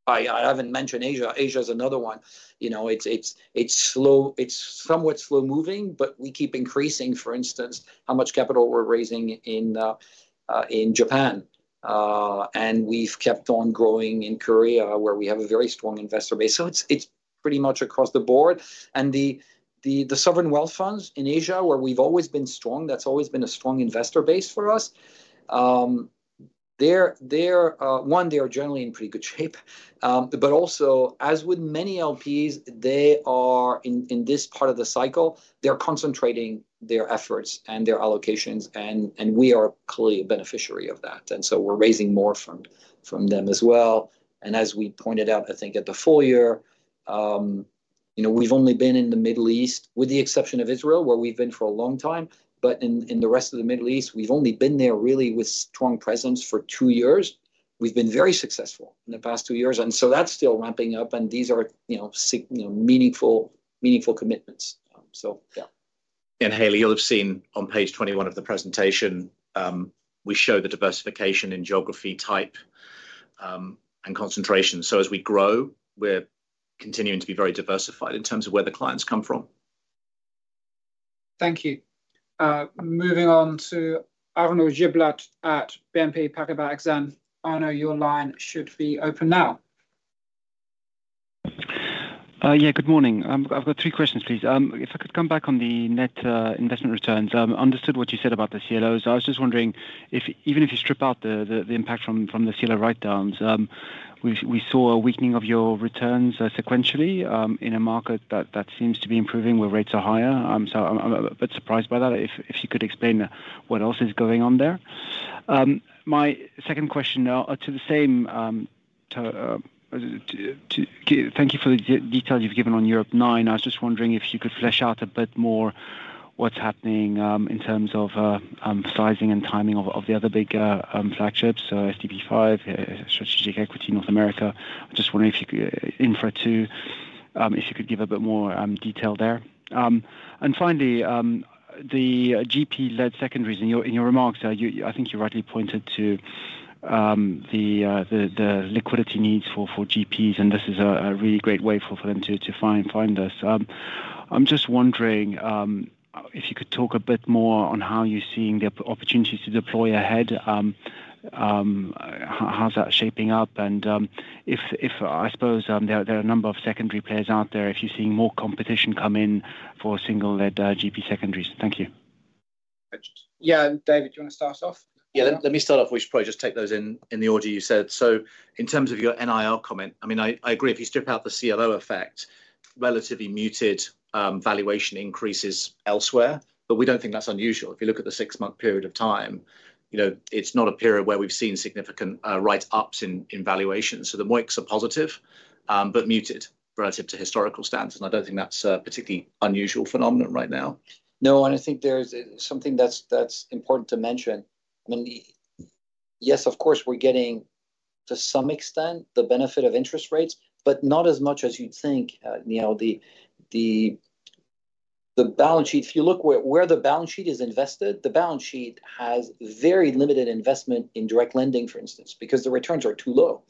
I haven't mentioned Asia. Asia is another one. It's somewhat slow-moving, but we keep increasing, for instance, how much capital we're raising in Japan, and we've kept on growing in Korea, where we have a very strong investor base, so it's pretty much across the board. And the sovereign wealth funds in Asia, where we've always been strong, that's always been a strong investor base for us. One, they are generally in pretty good shape. But also, as with many LPs, they are in this part of the cycle, they're concentrating their efforts and their allocations, and we are clearly a beneficiary of that. And so we're raising more from them as well. And as we pointed out, I think, at the full year, we've only been in the Middle East, with the exception of Israel, where we've been for a long time. But in the rest of the Middle East, we've only been there really with strong presence for two years. We've been very successful in the past two years. And so that's still ramping up, and these are meaningful commitments. So yeah. Haley, you'll have seen on page 21 of the presentation, we show the diversification in geography type and concentration. So as we grow, we're continuing to be very diversified in terms of where the clients come from. Thank you. Moving on to Arnaud Giblat at Exane BNP Paribas. Arno, your line should be open now. Yeah, good morning. I've got three questions, please. If I could come back on the net investment returns, I understood what you said about the CLOs. I was just wondering if, even if you strip out the impact from the CLO write-downs, we saw a weakening of your returns sequentially in a market that seems to be improving where rates are higher. So I'm a bit surprised by that. If you could explain what else is going on there. My second question to the same—thank you for the details you've given on Europe IX. I was just wondering if you could flesh out a bit more what's happening in terms of sizing and timing of the other big flagships, so SDP V, Strategic Equity, North America. I'm just wondering if you could, Infra 2, if you could give a bit more detail there. And finally, the GP-led secondaries. In your remarks, I think you rightly pointed to the liquidity needs for GPs, and this is a really great way for them to find this. I'm just wondering if you could talk a bit more on how you're seeing the opportunities to deploy ahead, how's that shaping up, and if, I suppose, there are a number of secondary players out there, if you're seeing more competition come in for single-asset GP-led secondaries. Thank you. Yeah. David, do you want to start off? Yeah. Let me start off. We should probably just take those in the order you said. So in terms of your NIR comment, I mean, I agree. If you strip out the CLO effect, relatively muted valuation increases elsewhere, but we don't think that's unusual. If you look at the six-month period of time, it's not a period where we've seen significant write-ups in valuations. So the MOICs are positive but muted relative to historical standards, and I don't think that's a particularly unusual phenomenon right now. No, and I think there's something that's important to mention. I mean, yes, of course, we're getting, to some extent, the benefit of interest rates, but not as much as you'd think. The balance sheet, if you look where the balance sheet is invested, the balance sheet has very limited investment in direct lending, for instance, because the returns are too low.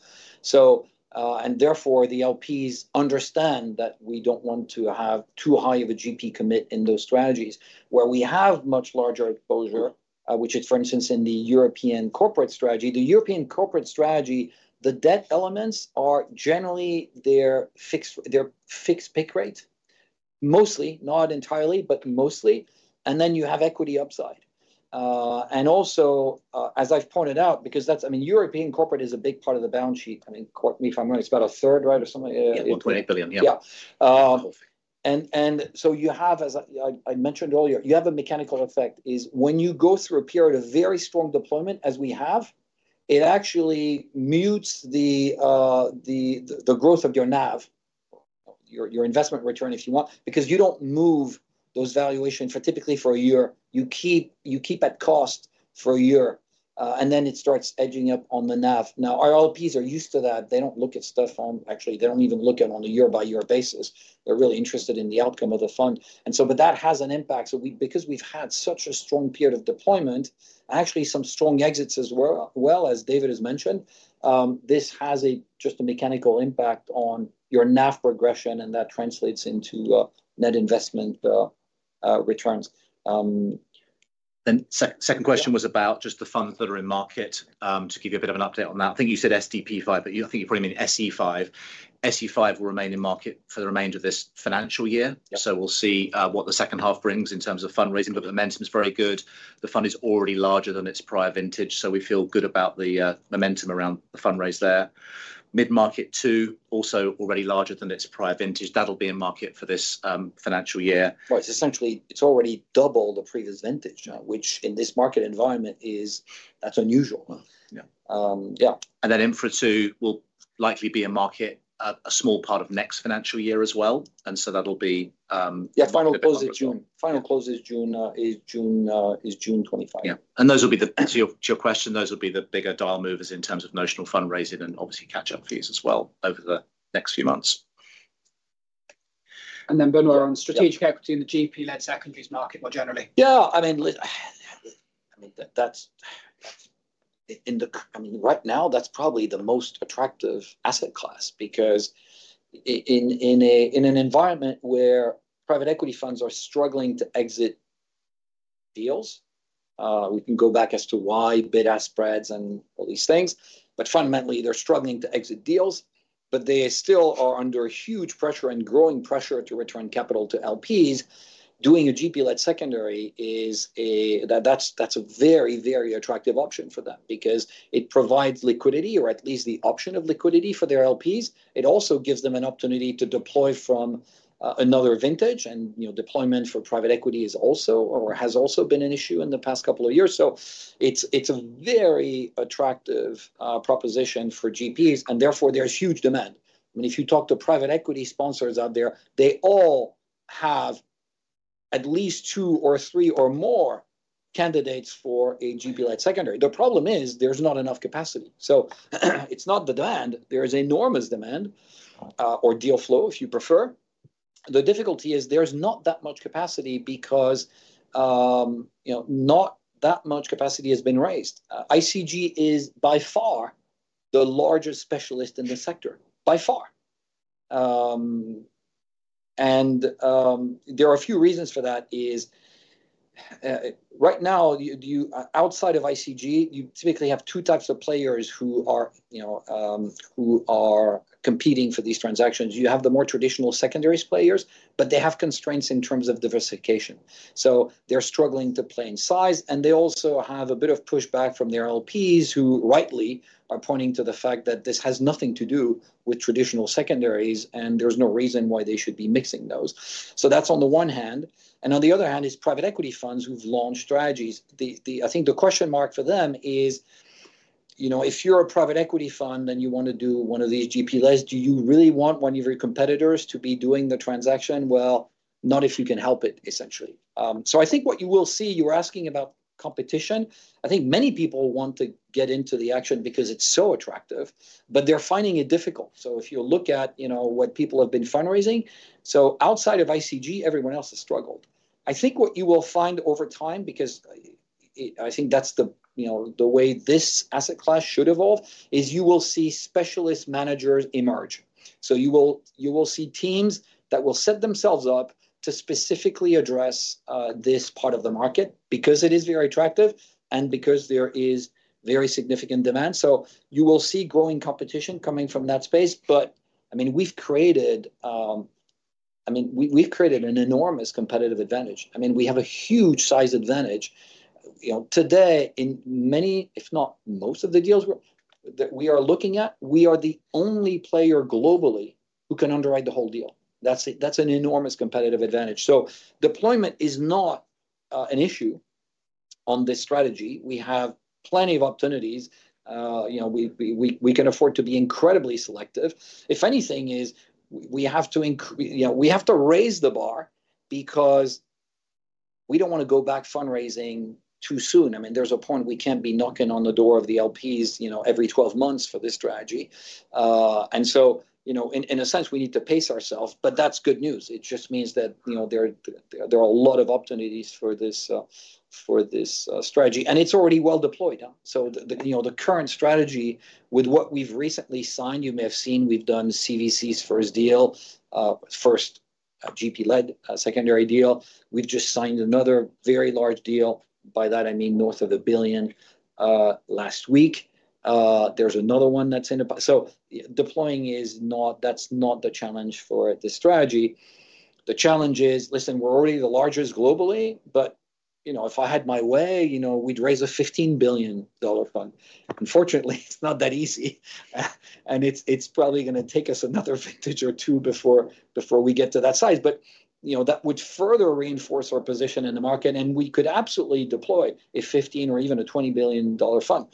And therefore, the LPs understand that we don't want to have too high of a GP commit in those strategies where we have much larger exposure, which is, for instance, in the European Corporate strategy. The European Corporate strategy, the debt elements are generally their fixed rate, mostly, not entirely, but mostly. And then you have equity upside. And also, as I've pointed out, because that's, I mean, European Corporate is a big part of the balance sheet. I mean, if I'm right, it's about a third, right, or something? Yeah, 28 billion. Yeah. Yeah. And so you have, as I mentioned earlier, you have a mechanical effect. When you go through a period of very strong deployment, as we have, it actually mutes the growth of your NAV, your investment return, if you want, because you don't move those valuations for typically a year. You keep at cost for a year, and then it starts edging up on the NAV. Now, our LPs are used to that. They don't look at stuff on, actually, they don't even look at it on a year-by-year basis. They're really interested in the outcome of the fund. And so, but that has an impact. So because we've had such a strong period of deployment, actually some strong exits as well, as David has mentioned, this has just a mechanical impact on your NAV progression, and that translates into net investment returns. Second question was about just the funds that are in market. To give you a bit of an update on that, I think you said SDP V, but I think you're putting me in SE 5. SE 5 will remain in market for the remainder of this financial year. We'll see what the second half brings in terms of fundraising. The momentum is very good. The fund is already larger than its prior vintage, so we feel good about the momentum around the fundraise there. Mid-market 2, also already larger than its prior vintage. That'll be in market for this financial year. It's essentially, it's already double the previous vintage, which in this market environment is, that's unusual. Yeah. Infra 2 will likely be in market a small part of next financial year as well. That'll be. Yeah. Final close is June 25. Yeah. Those will be the, to your question, those will be the bigger dial movers in terms of notional fundraising and obviously catch-up fees as well over the next few months. Benoît on strategic equity in the GP-led secondaries market more generally. Yeah. I mean, right now, that's probably the most attractive asset class because in an environment where private equity funds are struggling to exit deals, we can go back as to why bid-ask spreads and all these things, but fundamentally, they're struggling to exit deals. But they still are under huge pressure and growing pressure to return capital to LPs. Doing a GP-led secondary is. That's a very, very attractive option for them because it provides liquidity, or at least the option of liquidity for their LPs. It also gives them an opportunity to deploy from another vintage. And deployment for private equity has also been an issue in the past couple of years. So it's a very attractive proposition for GPs, and therefore, there's huge demand. I mean, if you talk to private equity sponsors out there, they all have at least two or three or more candidates for a GP-led secondary. The problem is there's not enough capacity. So it's not the demand. There is enormous demand or deal flow, if you prefer. The difficulty is there's not that much capacity because not that much capacity has been raised. ICG is by far the largest specialist in the sector, by far, and there are a few reasons for that. Right now, outside of ICG, you typically have two types of players who are competing for these transactions. You have the more traditional secondaries players, but they have constraints in terms of diversification. So they're struggling to play in size, and they also have a bit of pushback from their LPs who rightly are pointing to the fact that this has nothing to do with traditional secondaries, and there's no reason why they should be mixing those. So that's on the one hand. And on the other hand is private equity funds who've launched strategies. I think the question mark for them is, if you're a private equity fund and you want to do one of these GP-led, do you really want one of your competitors to be doing the transaction? Well, not if you can help it, essentially. So I think what you will see, you were asking about competition. I think many people want to get into the action because it's so attractive, but they're finding it difficult. If you look at what people have been fundraising, outside of ICG, everyone else has struggled. I think what you will find over time, because I think that's the way this asset class should evolve, is you will see specialist managers emerge. You will see teams that will set themselves up to specifically address this part of the market because it is very attractive and because there is very significant demand. You will see growing competition coming from that space. But I mean, we've created, I mean, we've created an enormous competitive advantage. I mean, we have a huge size advantage. Today, in many, if not most of the deals we are looking at, we are the only player globally who can underwrite the whole deal. That's an enormous competitive advantage. Deployment is not an issue on this strategy. We have plenty of opportunities. We can afford to be incredibly selective. If anything, we have to—we have to raise the bar because we don't want to go back fundraising too soon. I mean, there's a point we can't be knocking on the door of the LPs every 12 months for this strategy. And so in a sense, we need to pace ourselves, but that's good news. It just means that there are a lot of opportunities for this strategy. And it's already well deployed. So the current strategy, with what we've recently signed, you may have seen we've done CVC's first deal, first GP-led secondary deal. We've just signed another very large deal. By that, I mean north of a billion last week. There's another one that's in the—so deploying is not—that's not the challenge for this strategy. The challenge is, listen, we're already the largest globally, but if I had my way, we'd raise a $15 billion fund. Unfortunately, it's not that easy, and it's probably going to take us another vintage or two before we get to that size, but that would further reinforce our position in the market, and we could absolutely deploy a $15 or even a $20 billion fund.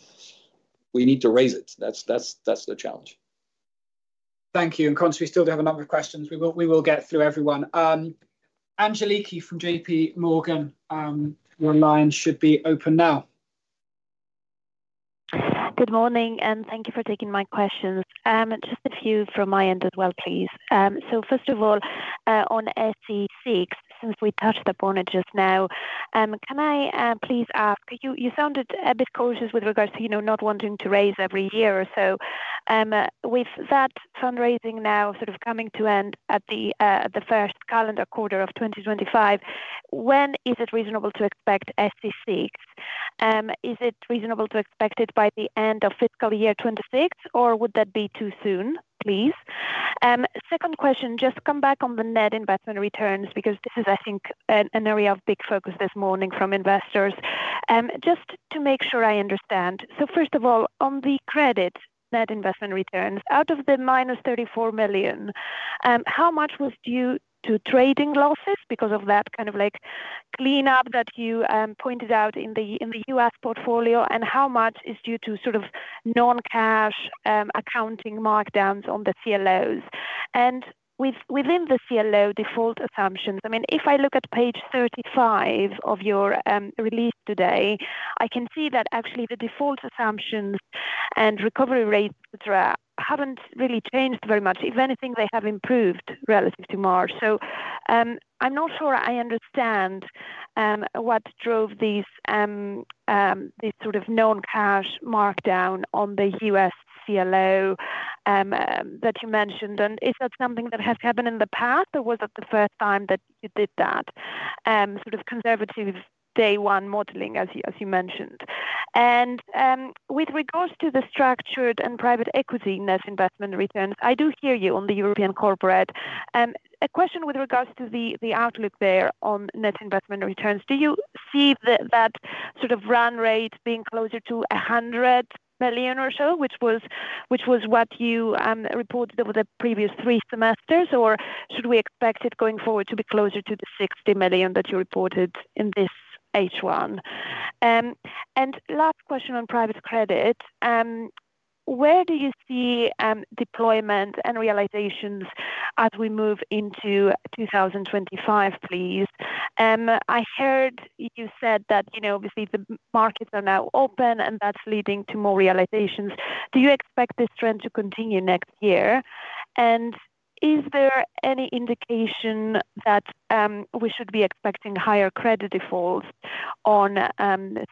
We need to raise it. That's the challenge. Thank you, and congrats, we still do have a number of questions. We will get through everyone. Angeliki from JPMorgan, your line should be open now. Good morning, and thank you for taking my questions. Just a few from my end as well, please. So first of all, on SE 6, since we touched upon it just now, can I please ask? You sounded a bit cautious with regards to not wanting to raise every year or so. With that fundraising now sort of coming to an end at the first calendar quarter of 2025, when is it reasonable to expect SE 6? Is it reasonable to expect it by the end of fiscal year 2026, or would that be too soon, please? Second question, just come back on the net investment returns because this is, I think, an area of big focus this morning from investors. Just to make sure I understand, so first of all, on the credit net investment returns, out of the minus 34 million, how much was due to trading losses because of that kind of cleanup that you pointed out in the US portfolio, and how much is due to sort of non-cash accounting markdowns on the CLOs? Within the CLO default assumptions, I mean, if I look at page 35 of your release today, I can see that actually the default assumptions and recovery rates haven't really changed very much. If anything, they have improved relative to March. So I'm not sure I understand what drove this sort of non-cash markdown on the US CLO that you mentioned. Is that something that has happened in the past, or was that the first time that you did that, sort of conservative day one modeling, as you mentioned? With regards to the structured and private equity net investment returns, I do hear you on the European Corporate. A question with regards to the outlook there on net investment returns. Do you see that sort of run rate being closer to 100 million or so, which was what you reported over the previous three semesters, or should we expect it going forward to be closer to the 60 million that you reported in this H1? And last question on private credit. Where do you see deployment and realizations as we move into 2025, please? I heard you said that obviously the markets are now open, and that's leading to more realizations. Do you expect this trend to continue next year? And is there any indication that we should be expecting higher credit defaults on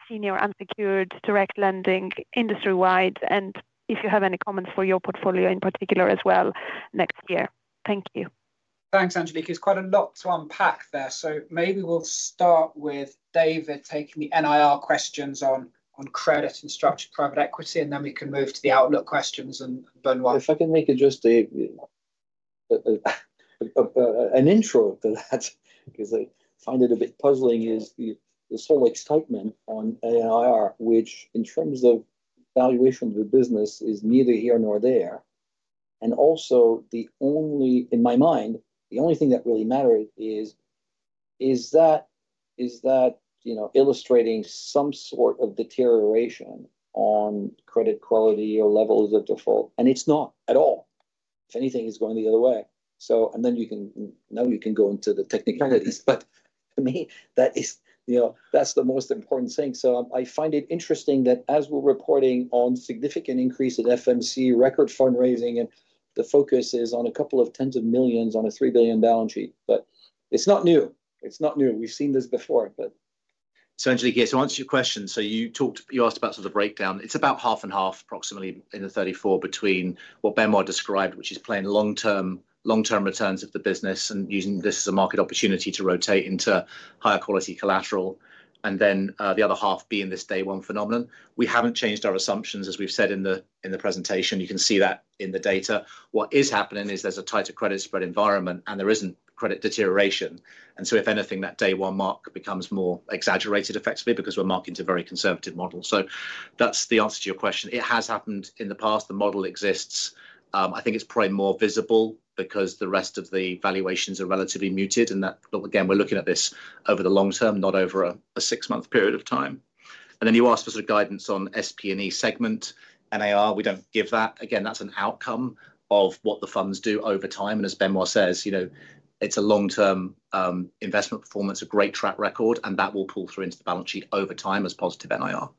senior unsecured direct lending industry-wide? And if you have any comments for your portfolio in particular as well next year. Thank you. Thanks, Angeliki. There's quite a lot to unpack there. So maybe we'll start with David taking the NIR questions on credit and structured private equity, and then we can move to the outlook questions and Benoît. If I can make just an intro to that because I find it a bit puzzling is the whole excitement on NIR, which in terms of valuation of the business is neither here nor there. And also, in my mind, the only thing that really matters is that illustrating some sort of deterioration on credit quality or levels of default. And it's not at all. If anything, it's going the other way. And then you can now go into the technicalities. But to me, that's the most important thing. So I find it interesting that as we're reporting on significant increase in FMC record fundraising, and the focus is on a couple of tens of millions on a 3 billion balance sheet. But it's not new. It's not new. We've seen this before, but. So Angeliki, I want to ask you a question. So you asked about sort of the breakdown. It's about half and half, approximately in the 34 between what Benoît described, which is playing long-term returns of the business and using this as a market opportunity to rotate into higher quality collateral, and then the other half being this day one phenomenon. We haven't changed our assumptions, as we've said in the presentation. You can see that in the data. What is happening is there's a tighter credit spread environment, and there isn't credit deterioration. And so if anything, that day one mark becomes more exaggerated, effectively, because we're marking to a very conservative model. So that's the answer to your question. It has happened in the past. The model exists. I think it's probably more visible because the rest of the valuations are relatively muted, and again, we're looking at this over the long term, not over a six-month period of time, and then you asked for sort of guidance on SDP. NIR, we don't give that. Again, that's an outcome of what the funds do over time, and as Benoît says, it's a long-term investment performance, a great track record, and that will pull through into the balance sheet over time as positive NIR.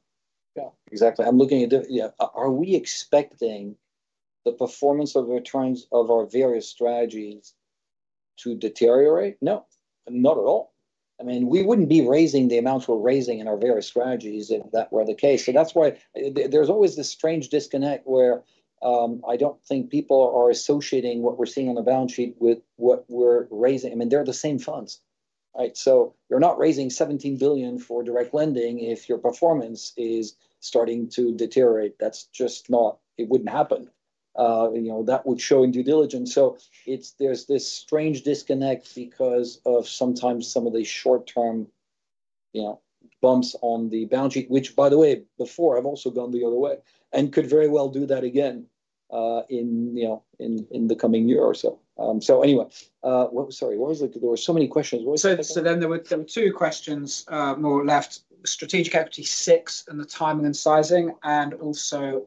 Yeah, exactly. I'm looking at it. Are we expecting the performance of our various strategies to deteriorate? No, not at all. I mean, we wouldn't be raising the amounts we're raising in our various strategies if that were the case. So that's why there's always this strange disconnect where I don't think people are associating what we're seeing on the balance sheet with what we're raising. I mean, they're the same funds. So you're not raising 17 billion for direct lending if your performance is starting to deteriorate. That's just not. It wouldn't happen. That would show in due diligence. So there's this strange disconnect because of sometimes some of the short-term bumps on the balance sheet, which, by the way, before I've also gone the other way and could very well do that again in the coming year or so. So anyway, sorry, what was it? There were so many questions. So then there were two questions more left: strategic equity six and the timing and sizing, and also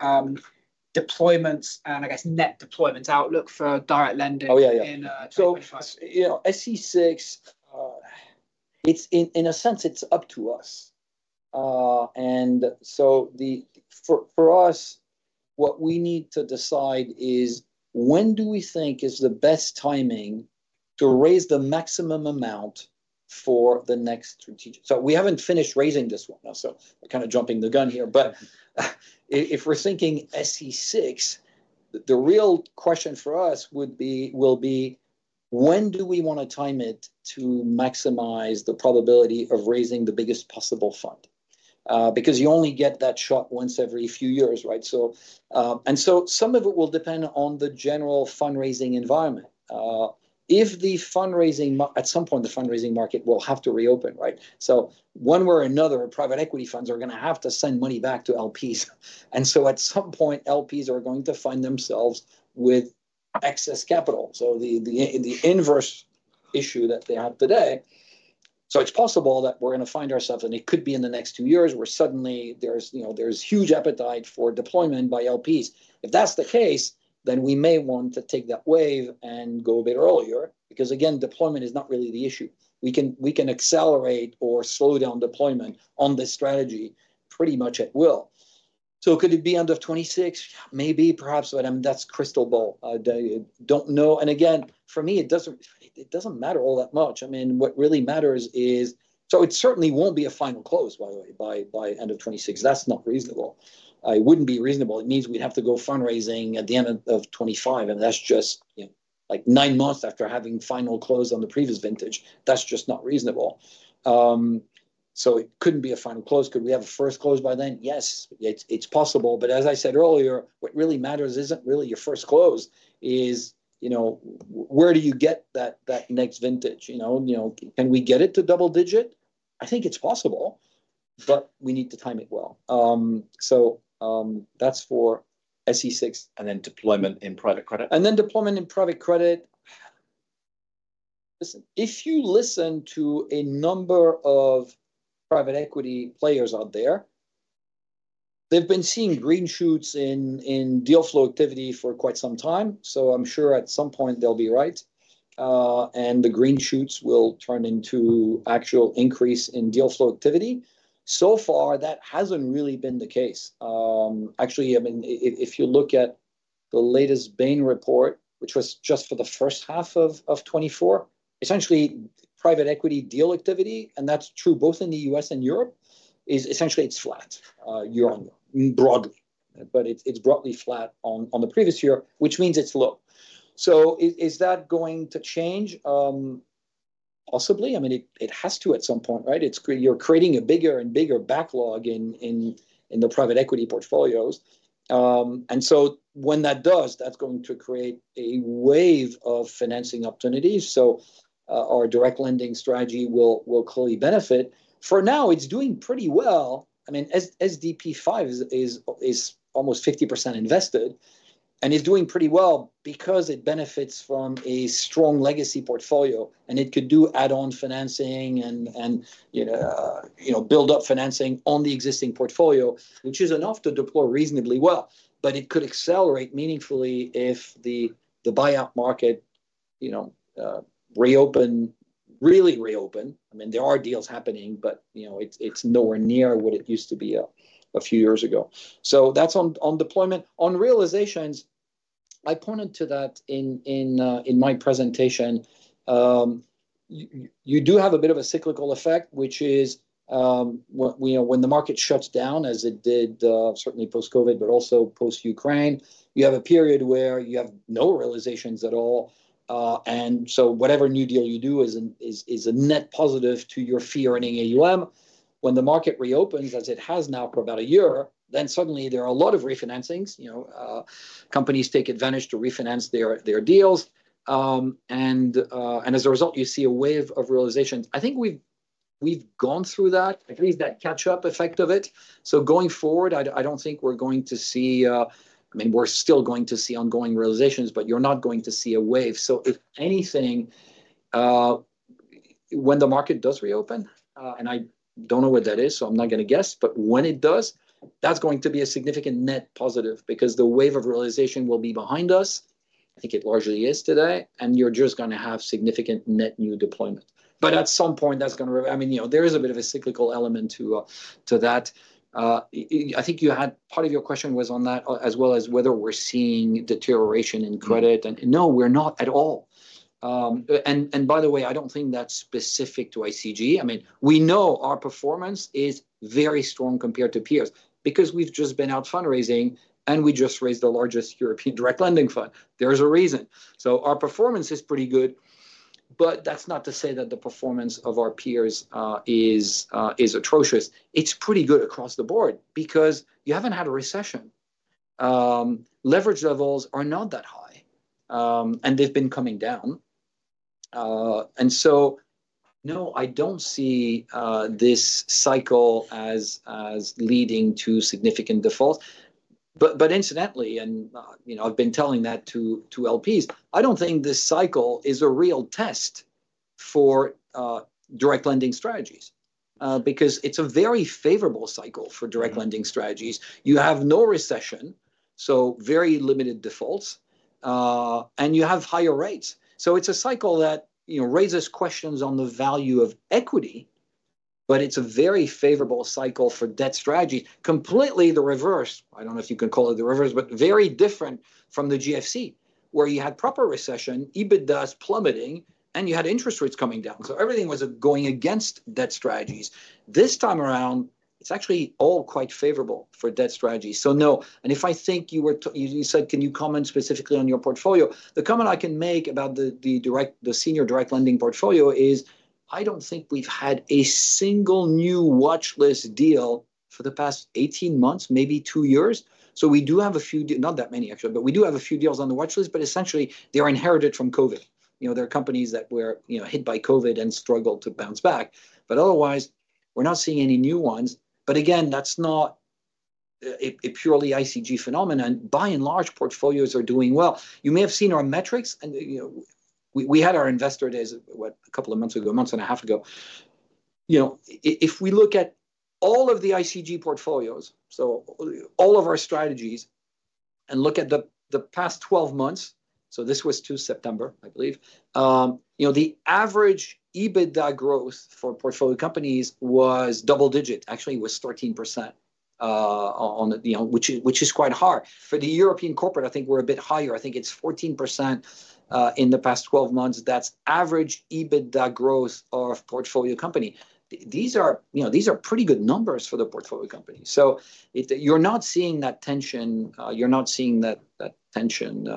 deployment and, I guess, net deployment outlook for direct lending in 2025. SE6, in a sense, it's up to us, and so for us, what we need to decide is when do we think is the best timing to raise the maximum amount for the next strategic, so we haven't finished raising this one, so we're kind of jumping the gun here, but if we're thinking SE6, the real question for us will be, when do we want to time it to maximize the probability of raising the biggest possible fund? Because you only get that shot once every few years, right, and so some of it will depend on the general fundraising environment. At some point, the fundraising market will have to reopen, right, so one way or another, private equity funds are going to have to send money back to LPs, and so at some point, LPs are going to find themselves with excess capital. So the inverse issue that they have today. So it's possible that we're going to find ourselves, and it could be in the next two years, where suddenly there's huge appetite for deployment by LPs. If that's the case, then we may want to take that wave and go a bit earlier because, again, deployment is not really the issue. We can accelerate or slow down deployment on this strategy pretty much at will. So could it be end of 2026? Maybe, perhaps, but that's crystal ball. I don't know. And again, for me, it doesn't matter all that much. I mean, what really matters is, so it certainly won't be a final close, by the way, by end of 2026. That's not reasonable. It wouldn't be reasonable. It means we'd have to go fundraising at the end of 2025, and that's just like nine months after having final close on the previous vintage. That's just not reasonable, so it couldn't be a final close. Could we have a first close by then? Yes, it's possible. But as I said earlier, what really matters isn't really your first close. It's where do you get that next vintage? Can we get it to double digit? I think it's possible, but we need to time it well, so that's for SE 6 and then deployment in private credit. And then deployment in private credit. Listen, if you listen to a number of private equity players out there, they've been seeing green shoots in deal flow activity for quite some time. So I'm sure at some point they'll be right, and the green shoots will turn into actual increase in deal flow activity. So far, that hasn't really been the case. Actually, I mean, if you look at the latest Bain report, which was just for the first half of 2024, essentially private equity deal activity, and that's true both in the U.S. and Europe, is essentially it's flat year on year, broadly. But it's broadly flat on the previous year, which means it's low. So is that going to change? Possibly. I mean, it has to at some point, right? You're creating a bigger and bigger backlog in the private equity portfolios. And so when that does, that's going to create a wave of financing opportunities. So our direct lending strategy will clearly benefit. For now, it's doing pretty well. I mean, SDP V is almost 50% invested, and it's doing pretty well because it benefits from a strong legacy portfolio, and it could do add-on financing and build-up financing on the existing portfolio, which is enough to deploy reasonably well. But it could accelerate meaningfully if the buyout market reopens, really reopens. I mean, there are deals happening, but it's nowhere near what it used to be a few years ago. So that's on deployment. On realizations, I pointed to that in my presentation. You do have a bit of a cyclical effect, which is when the market shuts down, as it did certainly post-COVID, post-Ukraine, you have a period where you have no realizations at all, and so whatever new deal you do is a net positive to your fee and AUM. When the market reopens, as it has now for about a year, then suddenly there are a lot of refinancings. Companies take advantage to refinance their deals. And as a result, you see a wave of realizations. I think we've gone through that, at least that catch-up effect of it. So going forward, I don't think we're going to see, I mean, we're still going to see ongoing realizations, but you're not going to see a wave. So if anything, when the market does reopen, and I don't know what that is, so I'm not going to guess, but when it does, that's going to be a significant net positive because the wave of realization will be behind us. I think it largely is today, and you're just going to have significant net new deployment. At some point, that's going to, I mean, there is a bit of a cyclical element to that. I think part of your question was on that, as well as whether we're seeing deterioration in credit. No, we're not at all. By the way, I don't think that's specific to ICG. I mean, we know our performance is very strong compared to peers because we've just been out fundraising, and we just raised the largest European direct lending fund. There's a reason. Our performance is pretty good, but that's not to say that the performance of our peers is atrocious. It's pretty good across the board because you haven't had a recession. Leverage levels are not that high, and they've been coming down. No, I don't see this cycle as leading to significant default. But incidentally, and I've been telling that to LPs, I don't think this cycle is a real test for direct lending strategies because it's a very favorable cycle for direct lending strategies. You have no recession, so very limited defaults, and you have higher rates. So it's a cycle that raises questions on the value of equity, but it's a very favorable cycle for debt strategies. Completely the reverse. I don't know if you can call it the reverse, but very different from the GFC, where you had proper recession, EBITDAs plummeting, and you had interest rates coming down. So everything was going against debt strategies. This time around, it's actually all quite favorable for debt strategies. So no. And if I think you said, "Can you comment specifically on your portfolio?" The comment I can make about the senior direct lending portfolio is I don't think we've had a single new watchlist deal for the past 18 months, maybe two years. So we do have a few—not that many, actually—but we do have a few deals on the watchlist, but essentially, they're inherited from COVID. There are companies that were hit by COVID and struggled to bounce back. But otherwise, we're not seeing any new ones. But again, that's not a purely ICG phenomenon. By and large, portfolios are doing well. You may have seen our metrics. We had our investor days a couple of months ago, a month and a half ago. If we look at all of the ICG portfolios, so all of our strategies, and look at the past 12 months—so this was to September, I believe—the average EBITDA growth for portfolio companies was double digit. Actually, it was 13%, which is quite hard. For the European Corporate, I think we're a bit higher. I think it's 14% in the past 12 months. That's average EBITDA growth of portfolio company. These are pretty good numbers for the portfolio company. So you're not seeing that tension. You're not seeing that tension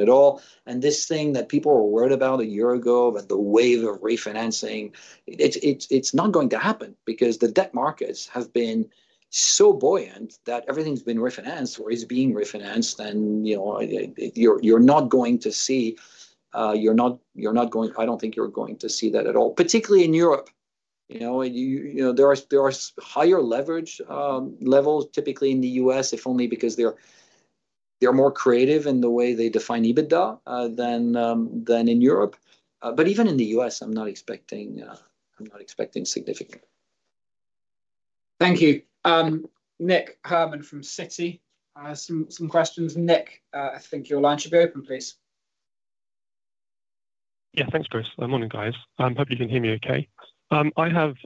at all. And this thing that people were worried about a year ago with the wave of refinancing, it's not going to happen because the debt markets have been so buoyant that everything's been refinanced or is being refinanced, and you're not going to see—you're not going—I don't think you're going to see that at all, particularly in Europe. There are higher leverage levels, typically in the U.S., if only because they're more creative in the way they define EBITDA than in Europe. But even in the U.S., I'm not expecting significant. Thank you. Nick Herman from Citi, some questions. Nick, I think your line should be open, please. Yeah, thanks, Chris. Good morning, guys. Hope you can hear me okay. I have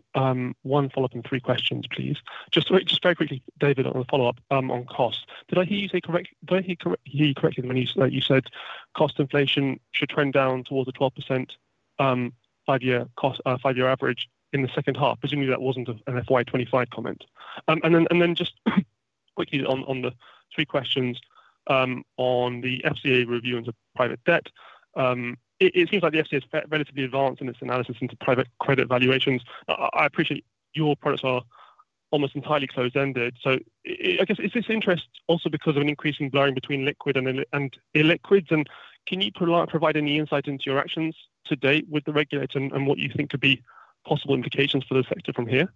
one follow-up and three questions, please. Just very quickly, David, on the follow-up on cost. Did I hear you say correctly? Did I hear you correctly when you said cost inflation should trend down towards a 12% five-year average in the second half? Presumably, that wasn't an FY25 comment. And then just quickly on the three questions on the FCA review and the private debt. It seems like the FCA is relatively advanced in its analysis into private credit valuations. I appreciate your products are almost entirely closed-ended. So I guess, is this interest also because of an increasing blurring between liquid and illiquids? And can you provide any insight into your actions to date with the regulator and what you think could be possible implications for the sector from here?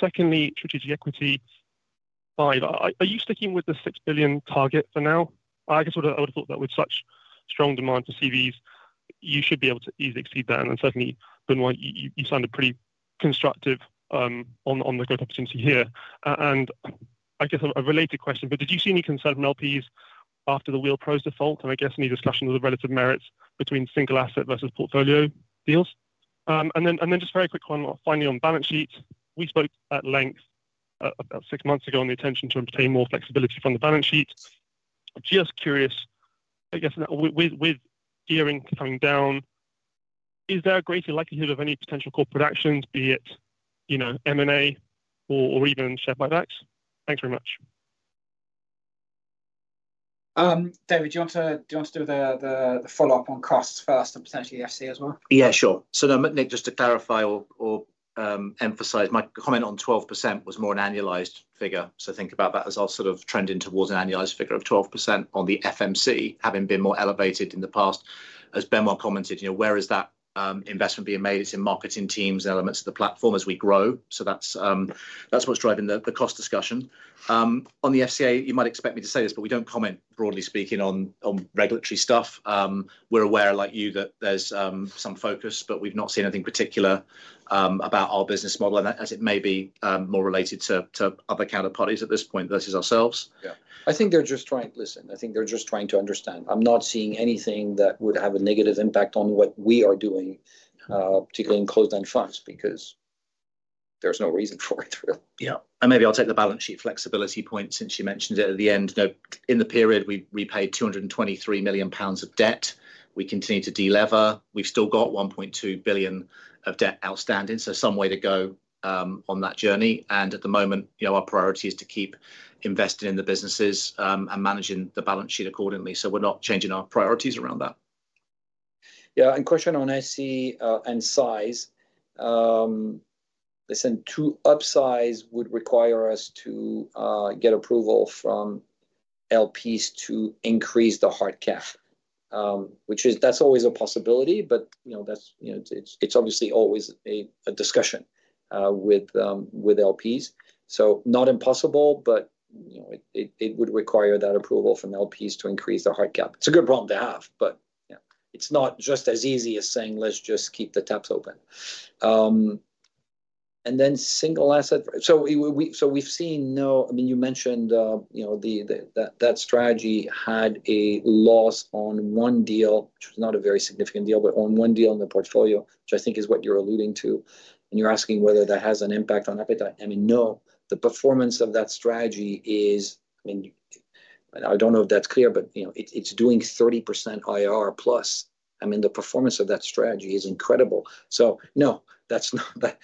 Secondly, Strategic Equity V. Are you sticking with the six billion target for now? I guess I would have thought that with such strong demand for CVs, you should be able to easily exceed that. And certainly, Benoît, you sounded pretty constructive on the growth opportunity here. And I guess a related question, but did you see any concern from LPs after the Wheel Pros default? And I guess any discussion of the relative merits between single asset versus portfolio deals? And then just very quick one, finally, on balance sheets. We spoke at length about six months ago on the intention to obtain more flexibility from the balance sheet. Just curious, I guess, with gearing coming down, is there a greater likelihood of any potential corporate actions, be it M&A or even share buybacks? Thanks very much. David, do you want to do the follow-up on costs first and potentially the FCA as well? Yeah, sure. So Nick, just to clarify or emphasize, my comment on 12% was more an annualized figure. So think about that as I'll sort of trend in towards an annualized figure of 12% on the FMC, having been more elevated in the past. As Benoît commented, where is that investment being made? It's in marketing teams and elements of the platform as we grow. So that's what's driving the cost discussion. On the FCA, you might expect me to say this, but we don't comment, broadly speaking, on regulatory stuff. We're aware, like you, that there's some focus, but we've not seen anything particular about our business model, as it may be more related to other counterparties at this point versus ourselves. Yeah. I think they're just trying, listen, I think they're just trying to understand. I'm not seeing anything that would have a negative impact on what we are doing, particularly in closed-end funds, because there's no reason for it, really. Yeah. And maybe I'll take the balance sheet flexibility point since you mentioned it at the end. In the period, we paid 223 million pounds of debt. We continue to delever. We've still got 1.2 billion of debt outstanding. So some way to go on that journey. At the moment, our priority is to keep investing in the businesses and managing the balance sheet accordingly. So we're not changing our priorities around that. Yeah. Question on SE and size. Listen, to upsize would require us to get approval from LPs to increase the hard cap, which is. That's always a possibility, but it's obviously always a discussion with LPs. So not impossible, but it would require that approval from LPs to increase the hard cap. It's a good problem to have, but it's not just as easy as saying, "Let's just keep the taps open." Then single asset. So we've seen. I mean, you mentioned that strategy had a loss on one deal, which was not a very significant deal, but on one deal in the portfolio, which I think is what you're alluding to. And you're asking whether that has an impact on appetite. I mean, no. The performance of that strategy is, I mean, I don't know if that's clear, but it's doing 30% IR plus. I mean, the performance of that strategy is incredible. So no, that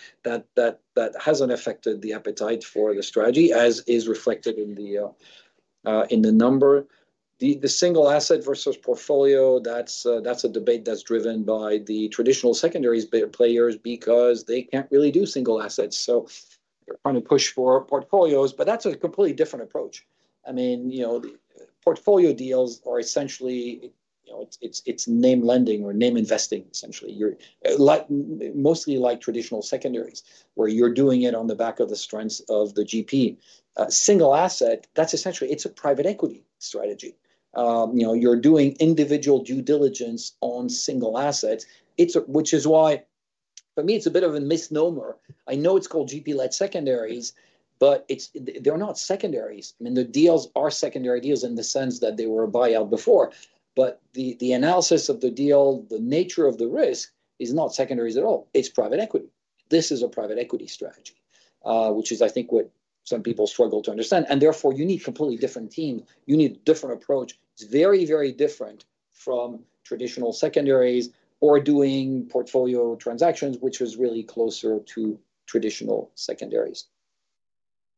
hasn't affected the appetite for the strategy, as is reflected in the number. The single asset versus portfolio, that's a debate that's driven by the traditional secondary players because they can't really do single assets. So they're trying to push for portfolios, but that's a completely different approach. I mean, portfolio deals are essentially, it's name lending or name investing, essentially. Mostly like traditional secondaries, where you're doing it on the back of the strengths of the GP. Single asset, that's essentially, it's a private equity strategy. You're doing individual due diligence on single assets, which is why, for me, it's a bit of a misnomer. I know it's called GP-led secondaries, but they're not secondaries. I mean, the deals are secondary deals in the sense that they were a buyout before. But the analysis of the deal, the nature of the risk is not secondaries at all. It's private equity. This is a private equity strategy, which is, I think, what some people struggle to understand. And therefore, you need completely different teams. You need a different approach. It's very, very different from traditional secondaries or doing portfolio transactions, which is really closer to traditional secondaries.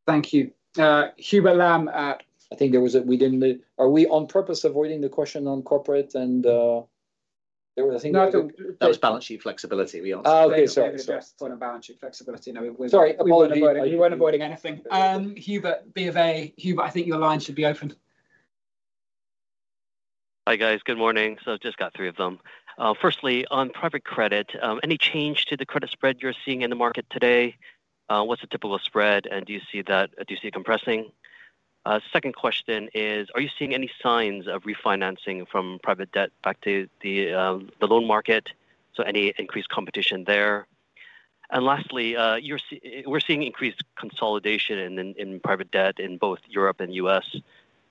Thank you. Hubert Lam. I think there was a - we didn't - are we on purpose avoiding the question on corporate and - there was a thing about No, it was balance sheet flexibility. We answered that. Oh, okay. Sorry. Yes, point on balance sheet flexibility. Sorry. Apologies. Are you weren't avoiding anything. Hubert, B of A. Hubert, I think your line should be open. Hi, guys. Good morning. So I've just got three of them. Firstly, on private credit, any change to the credit spread you're seeing in the market today? What's a typical spread, and do you see that? Do you see it compressing? Second question is, are you seeing any signs of refinancing from private debt back to the loan market? So any increased competition there? And lastly, we're seeing increased consolidation in private debt in both Europe and the US,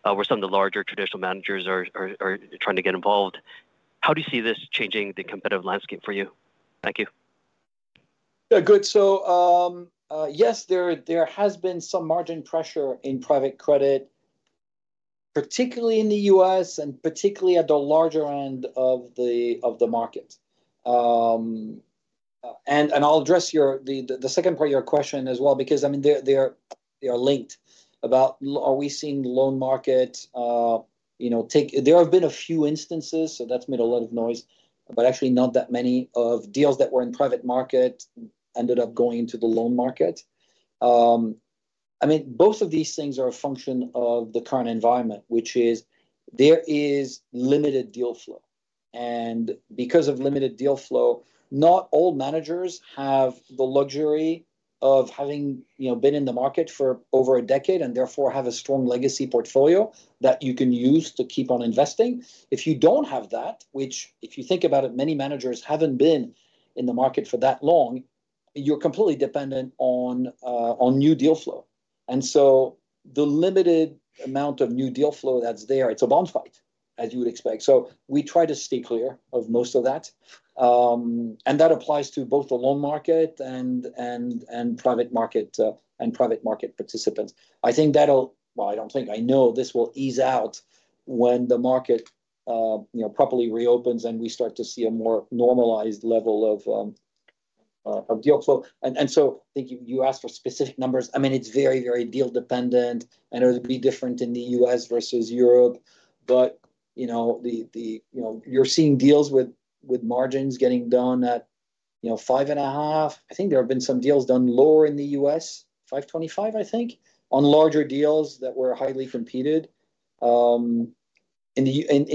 where some of the larger traditional managers are trying to get involved. How do you see this changing the competitive landscape for you? Thank you. Yeah, good. So yes, there has been some margin pressure in private credit, particularly in the US and particularly at the larger end of the market. I'll address the second part of your question as well because, I mean, they are linked about are we seeing the loan market take. There have been a few instances, so that's made a lot of noise, but actually not that many of deals that were in private market ended up going into the loan market. I mean, both of these things are a function of the current environment, which is there is limited deal flow. And because of limited deal flow, not all managers have the luxury of having been in the market for over a decade and therefore have a strong legacy portfolio that you can use to keep on investing. If you don't have that, which if you think about it, many managers haven't been in the market for that long, you're completely dependent on new deal flow. The limited amount of new deal flow that's there, it's a bun fight, as you would expect. So we try to stay clear of most of that. That applies to both the loan market and private market participants. I know this will ease out when the market properly reopens and we start to see a more normalized level of deal flow. I think you asked for specific numbers. I mean, it's very, very deal dependent, and it would be different in the U.S. versus Europe. You're seeing deals with margins getting done at 5.5%. I think there have been some deals done lower in the U.S., 5.25%, I think, on larger deals that were highly competed. In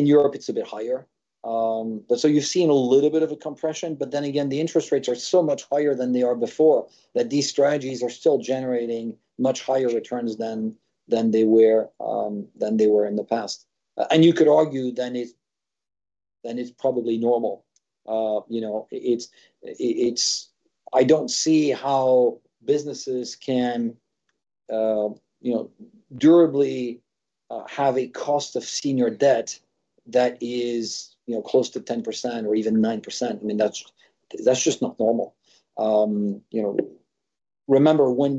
Europe, it's a bit higher. So you've seen a little bit of a compression. But then again, the interest rates are so much higher than they are before that these strategies are still generating much higher returns than they were in the past. And you could argue then it's probably normal. I don't see how businesses can durably have a cost of senior debt that is close to 10% or even 9%. I mean, that's just not normal. Remember, when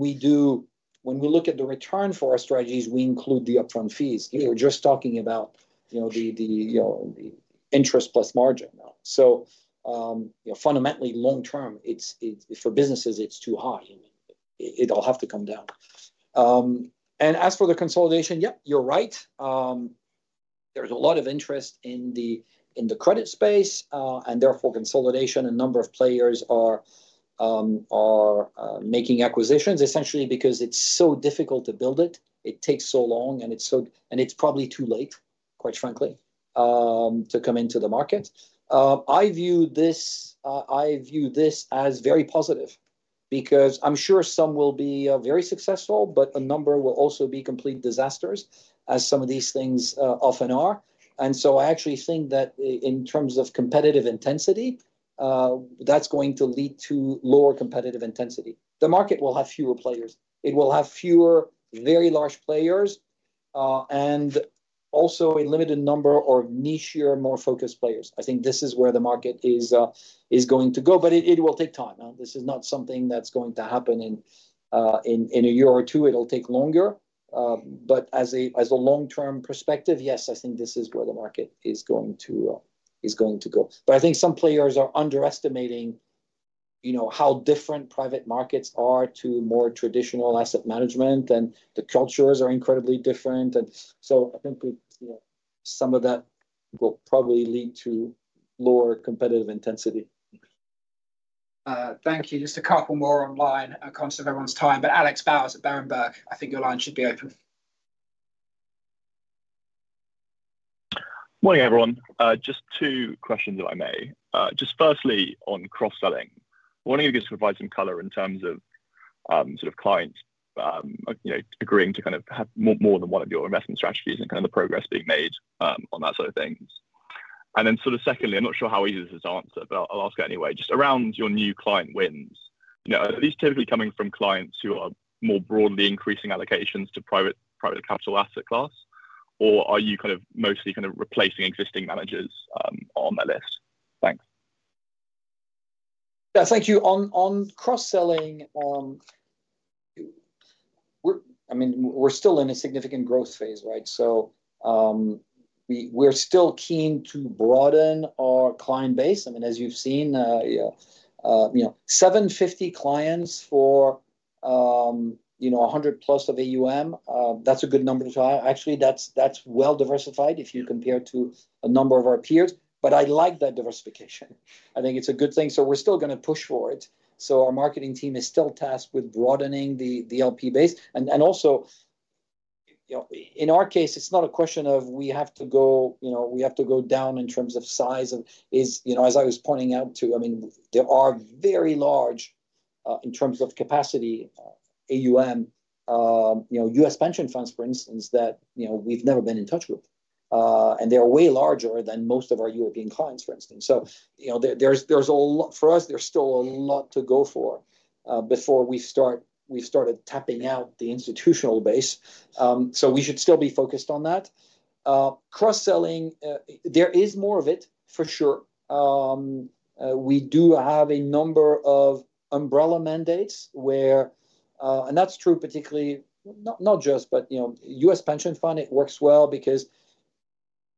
we look at the return for our strategies, we include the upfront fees. We're just talking about the interest plus margin. So fundamentally, long term, for businesses, it's too high. It'll have to come down. And as for the consolidation, yep, you're right. There's a lot of interest in the credit space, and therefore, consolidation and number of players are making acquisitions, essentially because it's so difficult to build it. It takes so long, and it's probably too late, quite frankly, to come into the market. I view this as very positive because I'm sure some will be very successful, but a number will also be complete disasters, as some of these things often are. And so I actually think that in terms of competitive intensity, that's going to lead to lower competitive intensity. The market will have fewer players. It will have fewer very large players and also a limited number of nichier, more focused players. I think this is where the market is going to go, but it will take time. This is not something that's going to happen in a year or two. It'll take longer. But as a long-term perspective, yes, I think this is where the market is going to go. But I think some players are underestimating how different private markets are to more traditional asset management, and the cultures are incredibly different. And so I think some of that will probably lead to lower competitive intensity. Thank you. Just a couple more online in consideration of everyone's time. But Alex Bowers at Berenberg. I think your line should be open. Morning, everyone. Just two questions if I may. Just firstly, on cross-selling, wanting to just provide some color in terms of sort of clients agreeing to kind of have more than one of your investment strategies and kind of the progress being made on that sort of thing. And then sort of secondly, I'm not sure how easy this is to answer, but I'll ask it anyway. Just around your new client wins, are these typically coming from clients who are more broadly increasing allocations to private capital asset class, or are you kind of mostly kind of replacing existing managers on that list? Thanks. Yeah, thank you. On cross-selling, I mean, we're still in a significant growth phase, right? So we're still keen to broaden our client base. I mean, as you've seen, 750 clients for 100 plus of AUM. That's a good number too high. Actually, that's well diversified if you compare to a number of our peers. But I like that diversification. I think it's a good thing. So we're still going to push for it. So our marketing team is still tasked with broadening the LP base. And also, in our case, it's not a question of, we have to go down in terms of size of, as I was pointing out to, I mean, there are very large in terms of capacity AUM, US pension funds, for instance, that we've never been in touch with. And they're way larger than most of our European clients, for instance. So for us, there's still a lot to go for before we've started tapping out the institutional base. So we should still be focused on that. Cross-selling, there is more of it, for sure. We do have a number of umbrella mandates where, and that's true particularly not just, but US pension fund, it works well because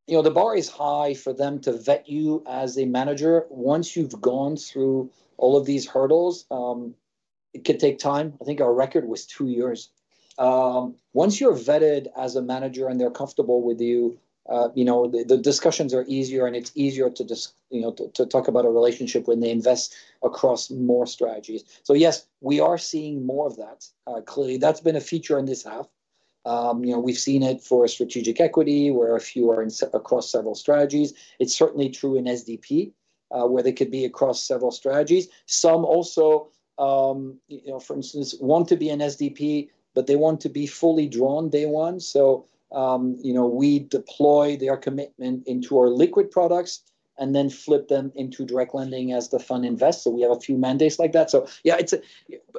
the bar is high for them to vet you as a manager. Once you've gone through all of these hurdles, it could take time. I think our record was two years. Once you're vetted as a manager and they're comfortable with you, the discussions are easier, and it's easier to talk about a relationship when they invest across more strategies. So yes, we are seeing more of that. Clearly, that's been a feature in this half. We've seen it for strategic equity where a few are across several strategies. It's certainly true in SDP where they could be across several strategies. Some also, for instance, want to be an SDP, but they want to be fully drawn day one. So we deploy their commitment into our liquid products and then flip them into direct lending as the fund invests. So we have a few mandates like that. So yeah,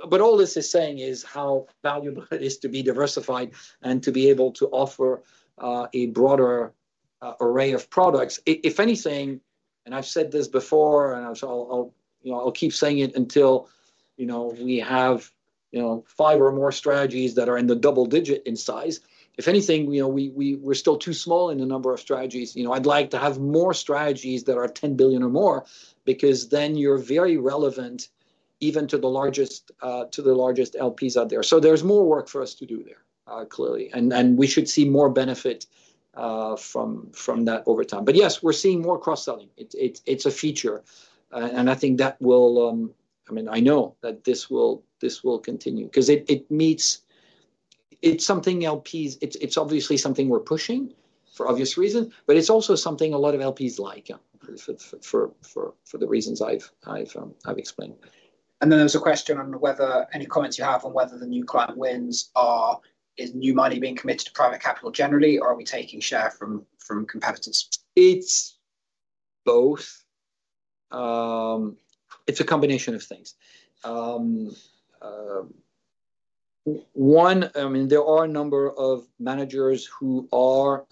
but all this is saying is how valuable it is to be diversified and to be able to offer a broader array of products. If anything, and I've said this before, and I'll keep saying it until we have five or more strategies that are in the double digit in size. If anything, we're still too small in the number of strategies. I'd like to have more strategies that are 10 billion or more because then you're very relevant even to the largest LPs out there. So there's more work for us to do there, clearly. And we should see more benefit from that over time. But yes, we're seeing more cross-selling. It's a feature. And I think that will—I mean, I know that this will continue because it meets—it's something LPs—it's obviously something we're pushing for obvious reasons, but it's also something a lot of LPs like for the reasons I've explained. Then there's a question on whether any comments you have on whether the new client wins are new money being committed to private capital generally, or are we taking share from competitors? It's both. It's a combination of things. One, I mean, there are a number of managers who are,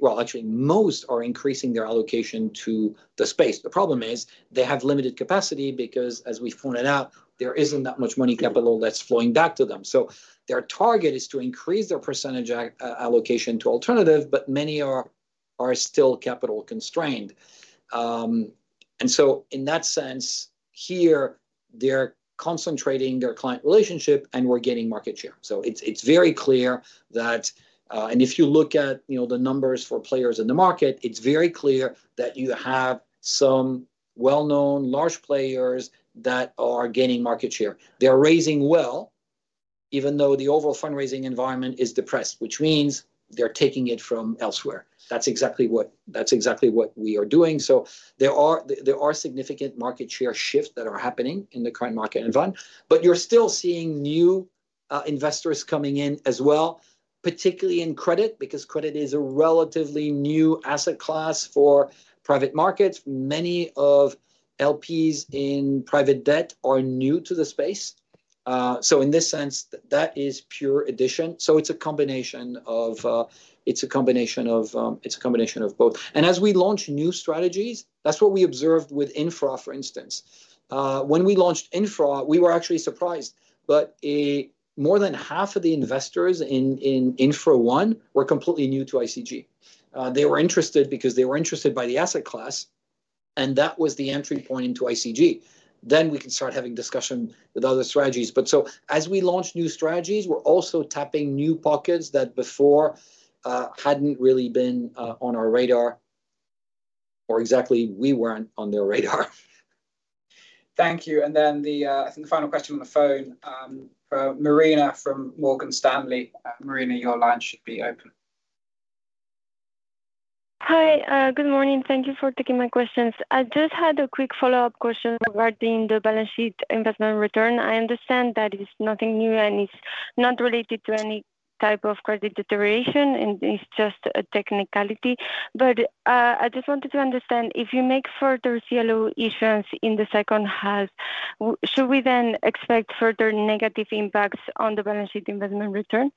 well, actually, most are increasing their allocation to the space. The problem is they have limited capacity because, as we pointed out, there isn't that much money capital that's flowing back to them. So their target is to increase their percentage allocation to alternative, but many are still capital constrained. And so in that sense, here, they're concentrating their client relationship, and we're getting market share. So it's very clear that, and if you look at the numbers for players in the market, it's very clear that you have some well-known large players that are gaining market share. They're raising well even though the overall fundraising environment is depressed, which means they're taking it from elsewhere. That's exactly what we are doing. So there are significant market share shifts that are happening in the current market environment. But you're still seeing new investors coming in as well, particularly in credit because credit is a relatively new asset class for private markets. Many of LPs in private debt are new to the space. So in this sense, that is pure addition. So it's a combination of both. And as we launch new strategies, that's what we observed with Infra, for instance. When we launched Infra, we were actually surprised. But more than half of the investors in Infra 1 were completely new to ICG. They were interested because they were interested by the asset class, and that was the entry point into ICG. Then we can start having discussion with other strategies. But so as we launch new strategies, we're also tapping new pockets that before hadn't really been on our radar or exactly we weren't on their radar. Thank you. And then I think the final question on the phone for Marina from Morgan Stanley. Marina, your line should be open. Hi. Good morning. Thank you for taking my questions. I just had a quick follow-up question regarding the balance sheet investment return. I understand that it's nothing new and it's not related to any type of credit deterioration, and it's just a technicality. But I just wanted to understand if you make further CLO issues in the second half, should we then expect further negative impacts on the balance sheet investment return?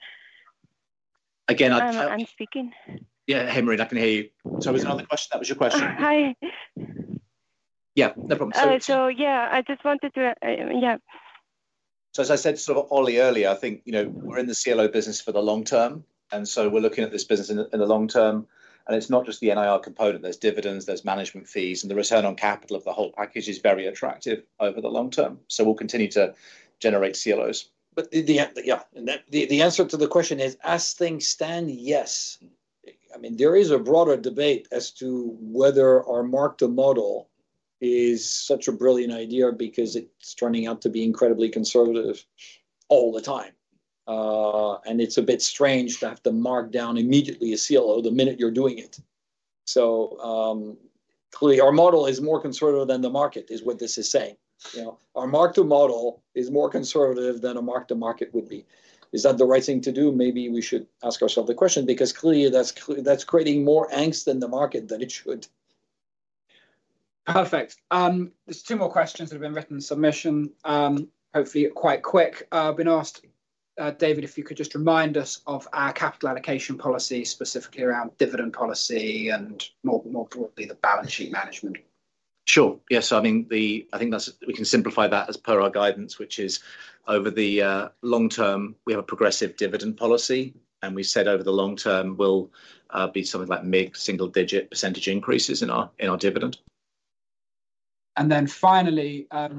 Again, I'm speaking. Yeah, hey, Marina, I can hear you. So was that another question? That was your question. Hi. Yeah, no problem. So yeah, I just wanted to, yeah. So as I said sort of earlier, I think we're in the CLO business for the long term. And so we're looking at this business in the long term. And it's not just the NIR component. There's dividends, there's management fees, and the return on capital of the whole package is very attractive over the long term. So we'll continue to generate CLOs. But yeah, the answer to the question is, as things stand, yes. I mean, there is a broader debate as to whether our mark-to-model is such a brilliant idea because it's turning out to be incredibly conservative all the time. And it's a bit strange to have to mark down immediately a CLO the minute you're doing it. So clearly, our model is more conservative than the market is what this is saying. Our mark-to-model is more conservative than a mark-to-market would be. Is that the right thing to do? Maybe we should ask ourselves the question because clearly, that's creating more angst in the market than it should. Perfect. There's two more questions that have been written in submission, hopefully quite quick. I've been asked, David, if you could just remind us of our capital allocation policy, specifically around dividend policy and more broadly the balance sheet management. Sure. Yes. I mean, I think we can simplify that as per our guidance, which is over the long term, we have a progressive dividend policy. And we said over the long term, we'll be something like mid-single-digit percentage increases in our dividend. And then finally, at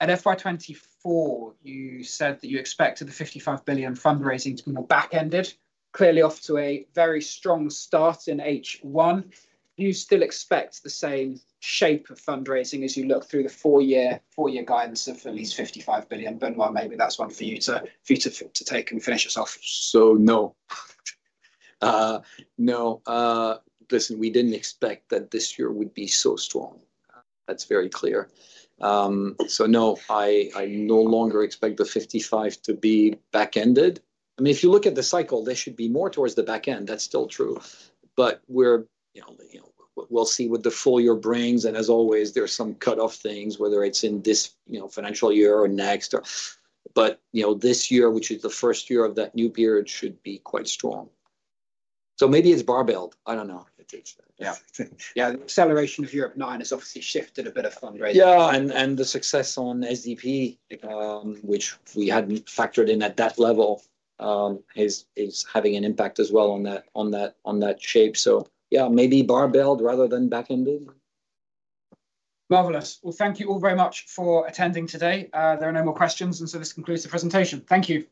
FY24, you said that you expected the 55 billion fundraising to be more back-ended, clearly off to a very strong start in H1. Do you still expect the same shape of fundraising as you look through the four-year guidance of at least 55 billion? Benoît, maybe that's one for you to take and finish yourself. So no. No. Listen, we didn't expect that this year would be so strong. That's very clear. So no, I no longer expect the 55 billion to be back-ended. I mean, if you look at the cycle, there should be more towards the back end. That's still true. But we'll see what the full year brings. And as always, there's some cut-off things, whether it's in this financial year or next. But this year, which is the first year of that new period, should be quite strong. So maybe it's barbelled. I don't know. Yeah. Yeah. Acceleration of Europe IX has obviously shifted a bit of fundraising. Yeah. The success on SDP, which we hadn't factored in at that level, is having an impact as well on that shape. Yeah, maybe barbelled rather than back-ended. Marvelous. Thank you all very much for attending today. There are no more questions. This concludes the presentation. Thank you.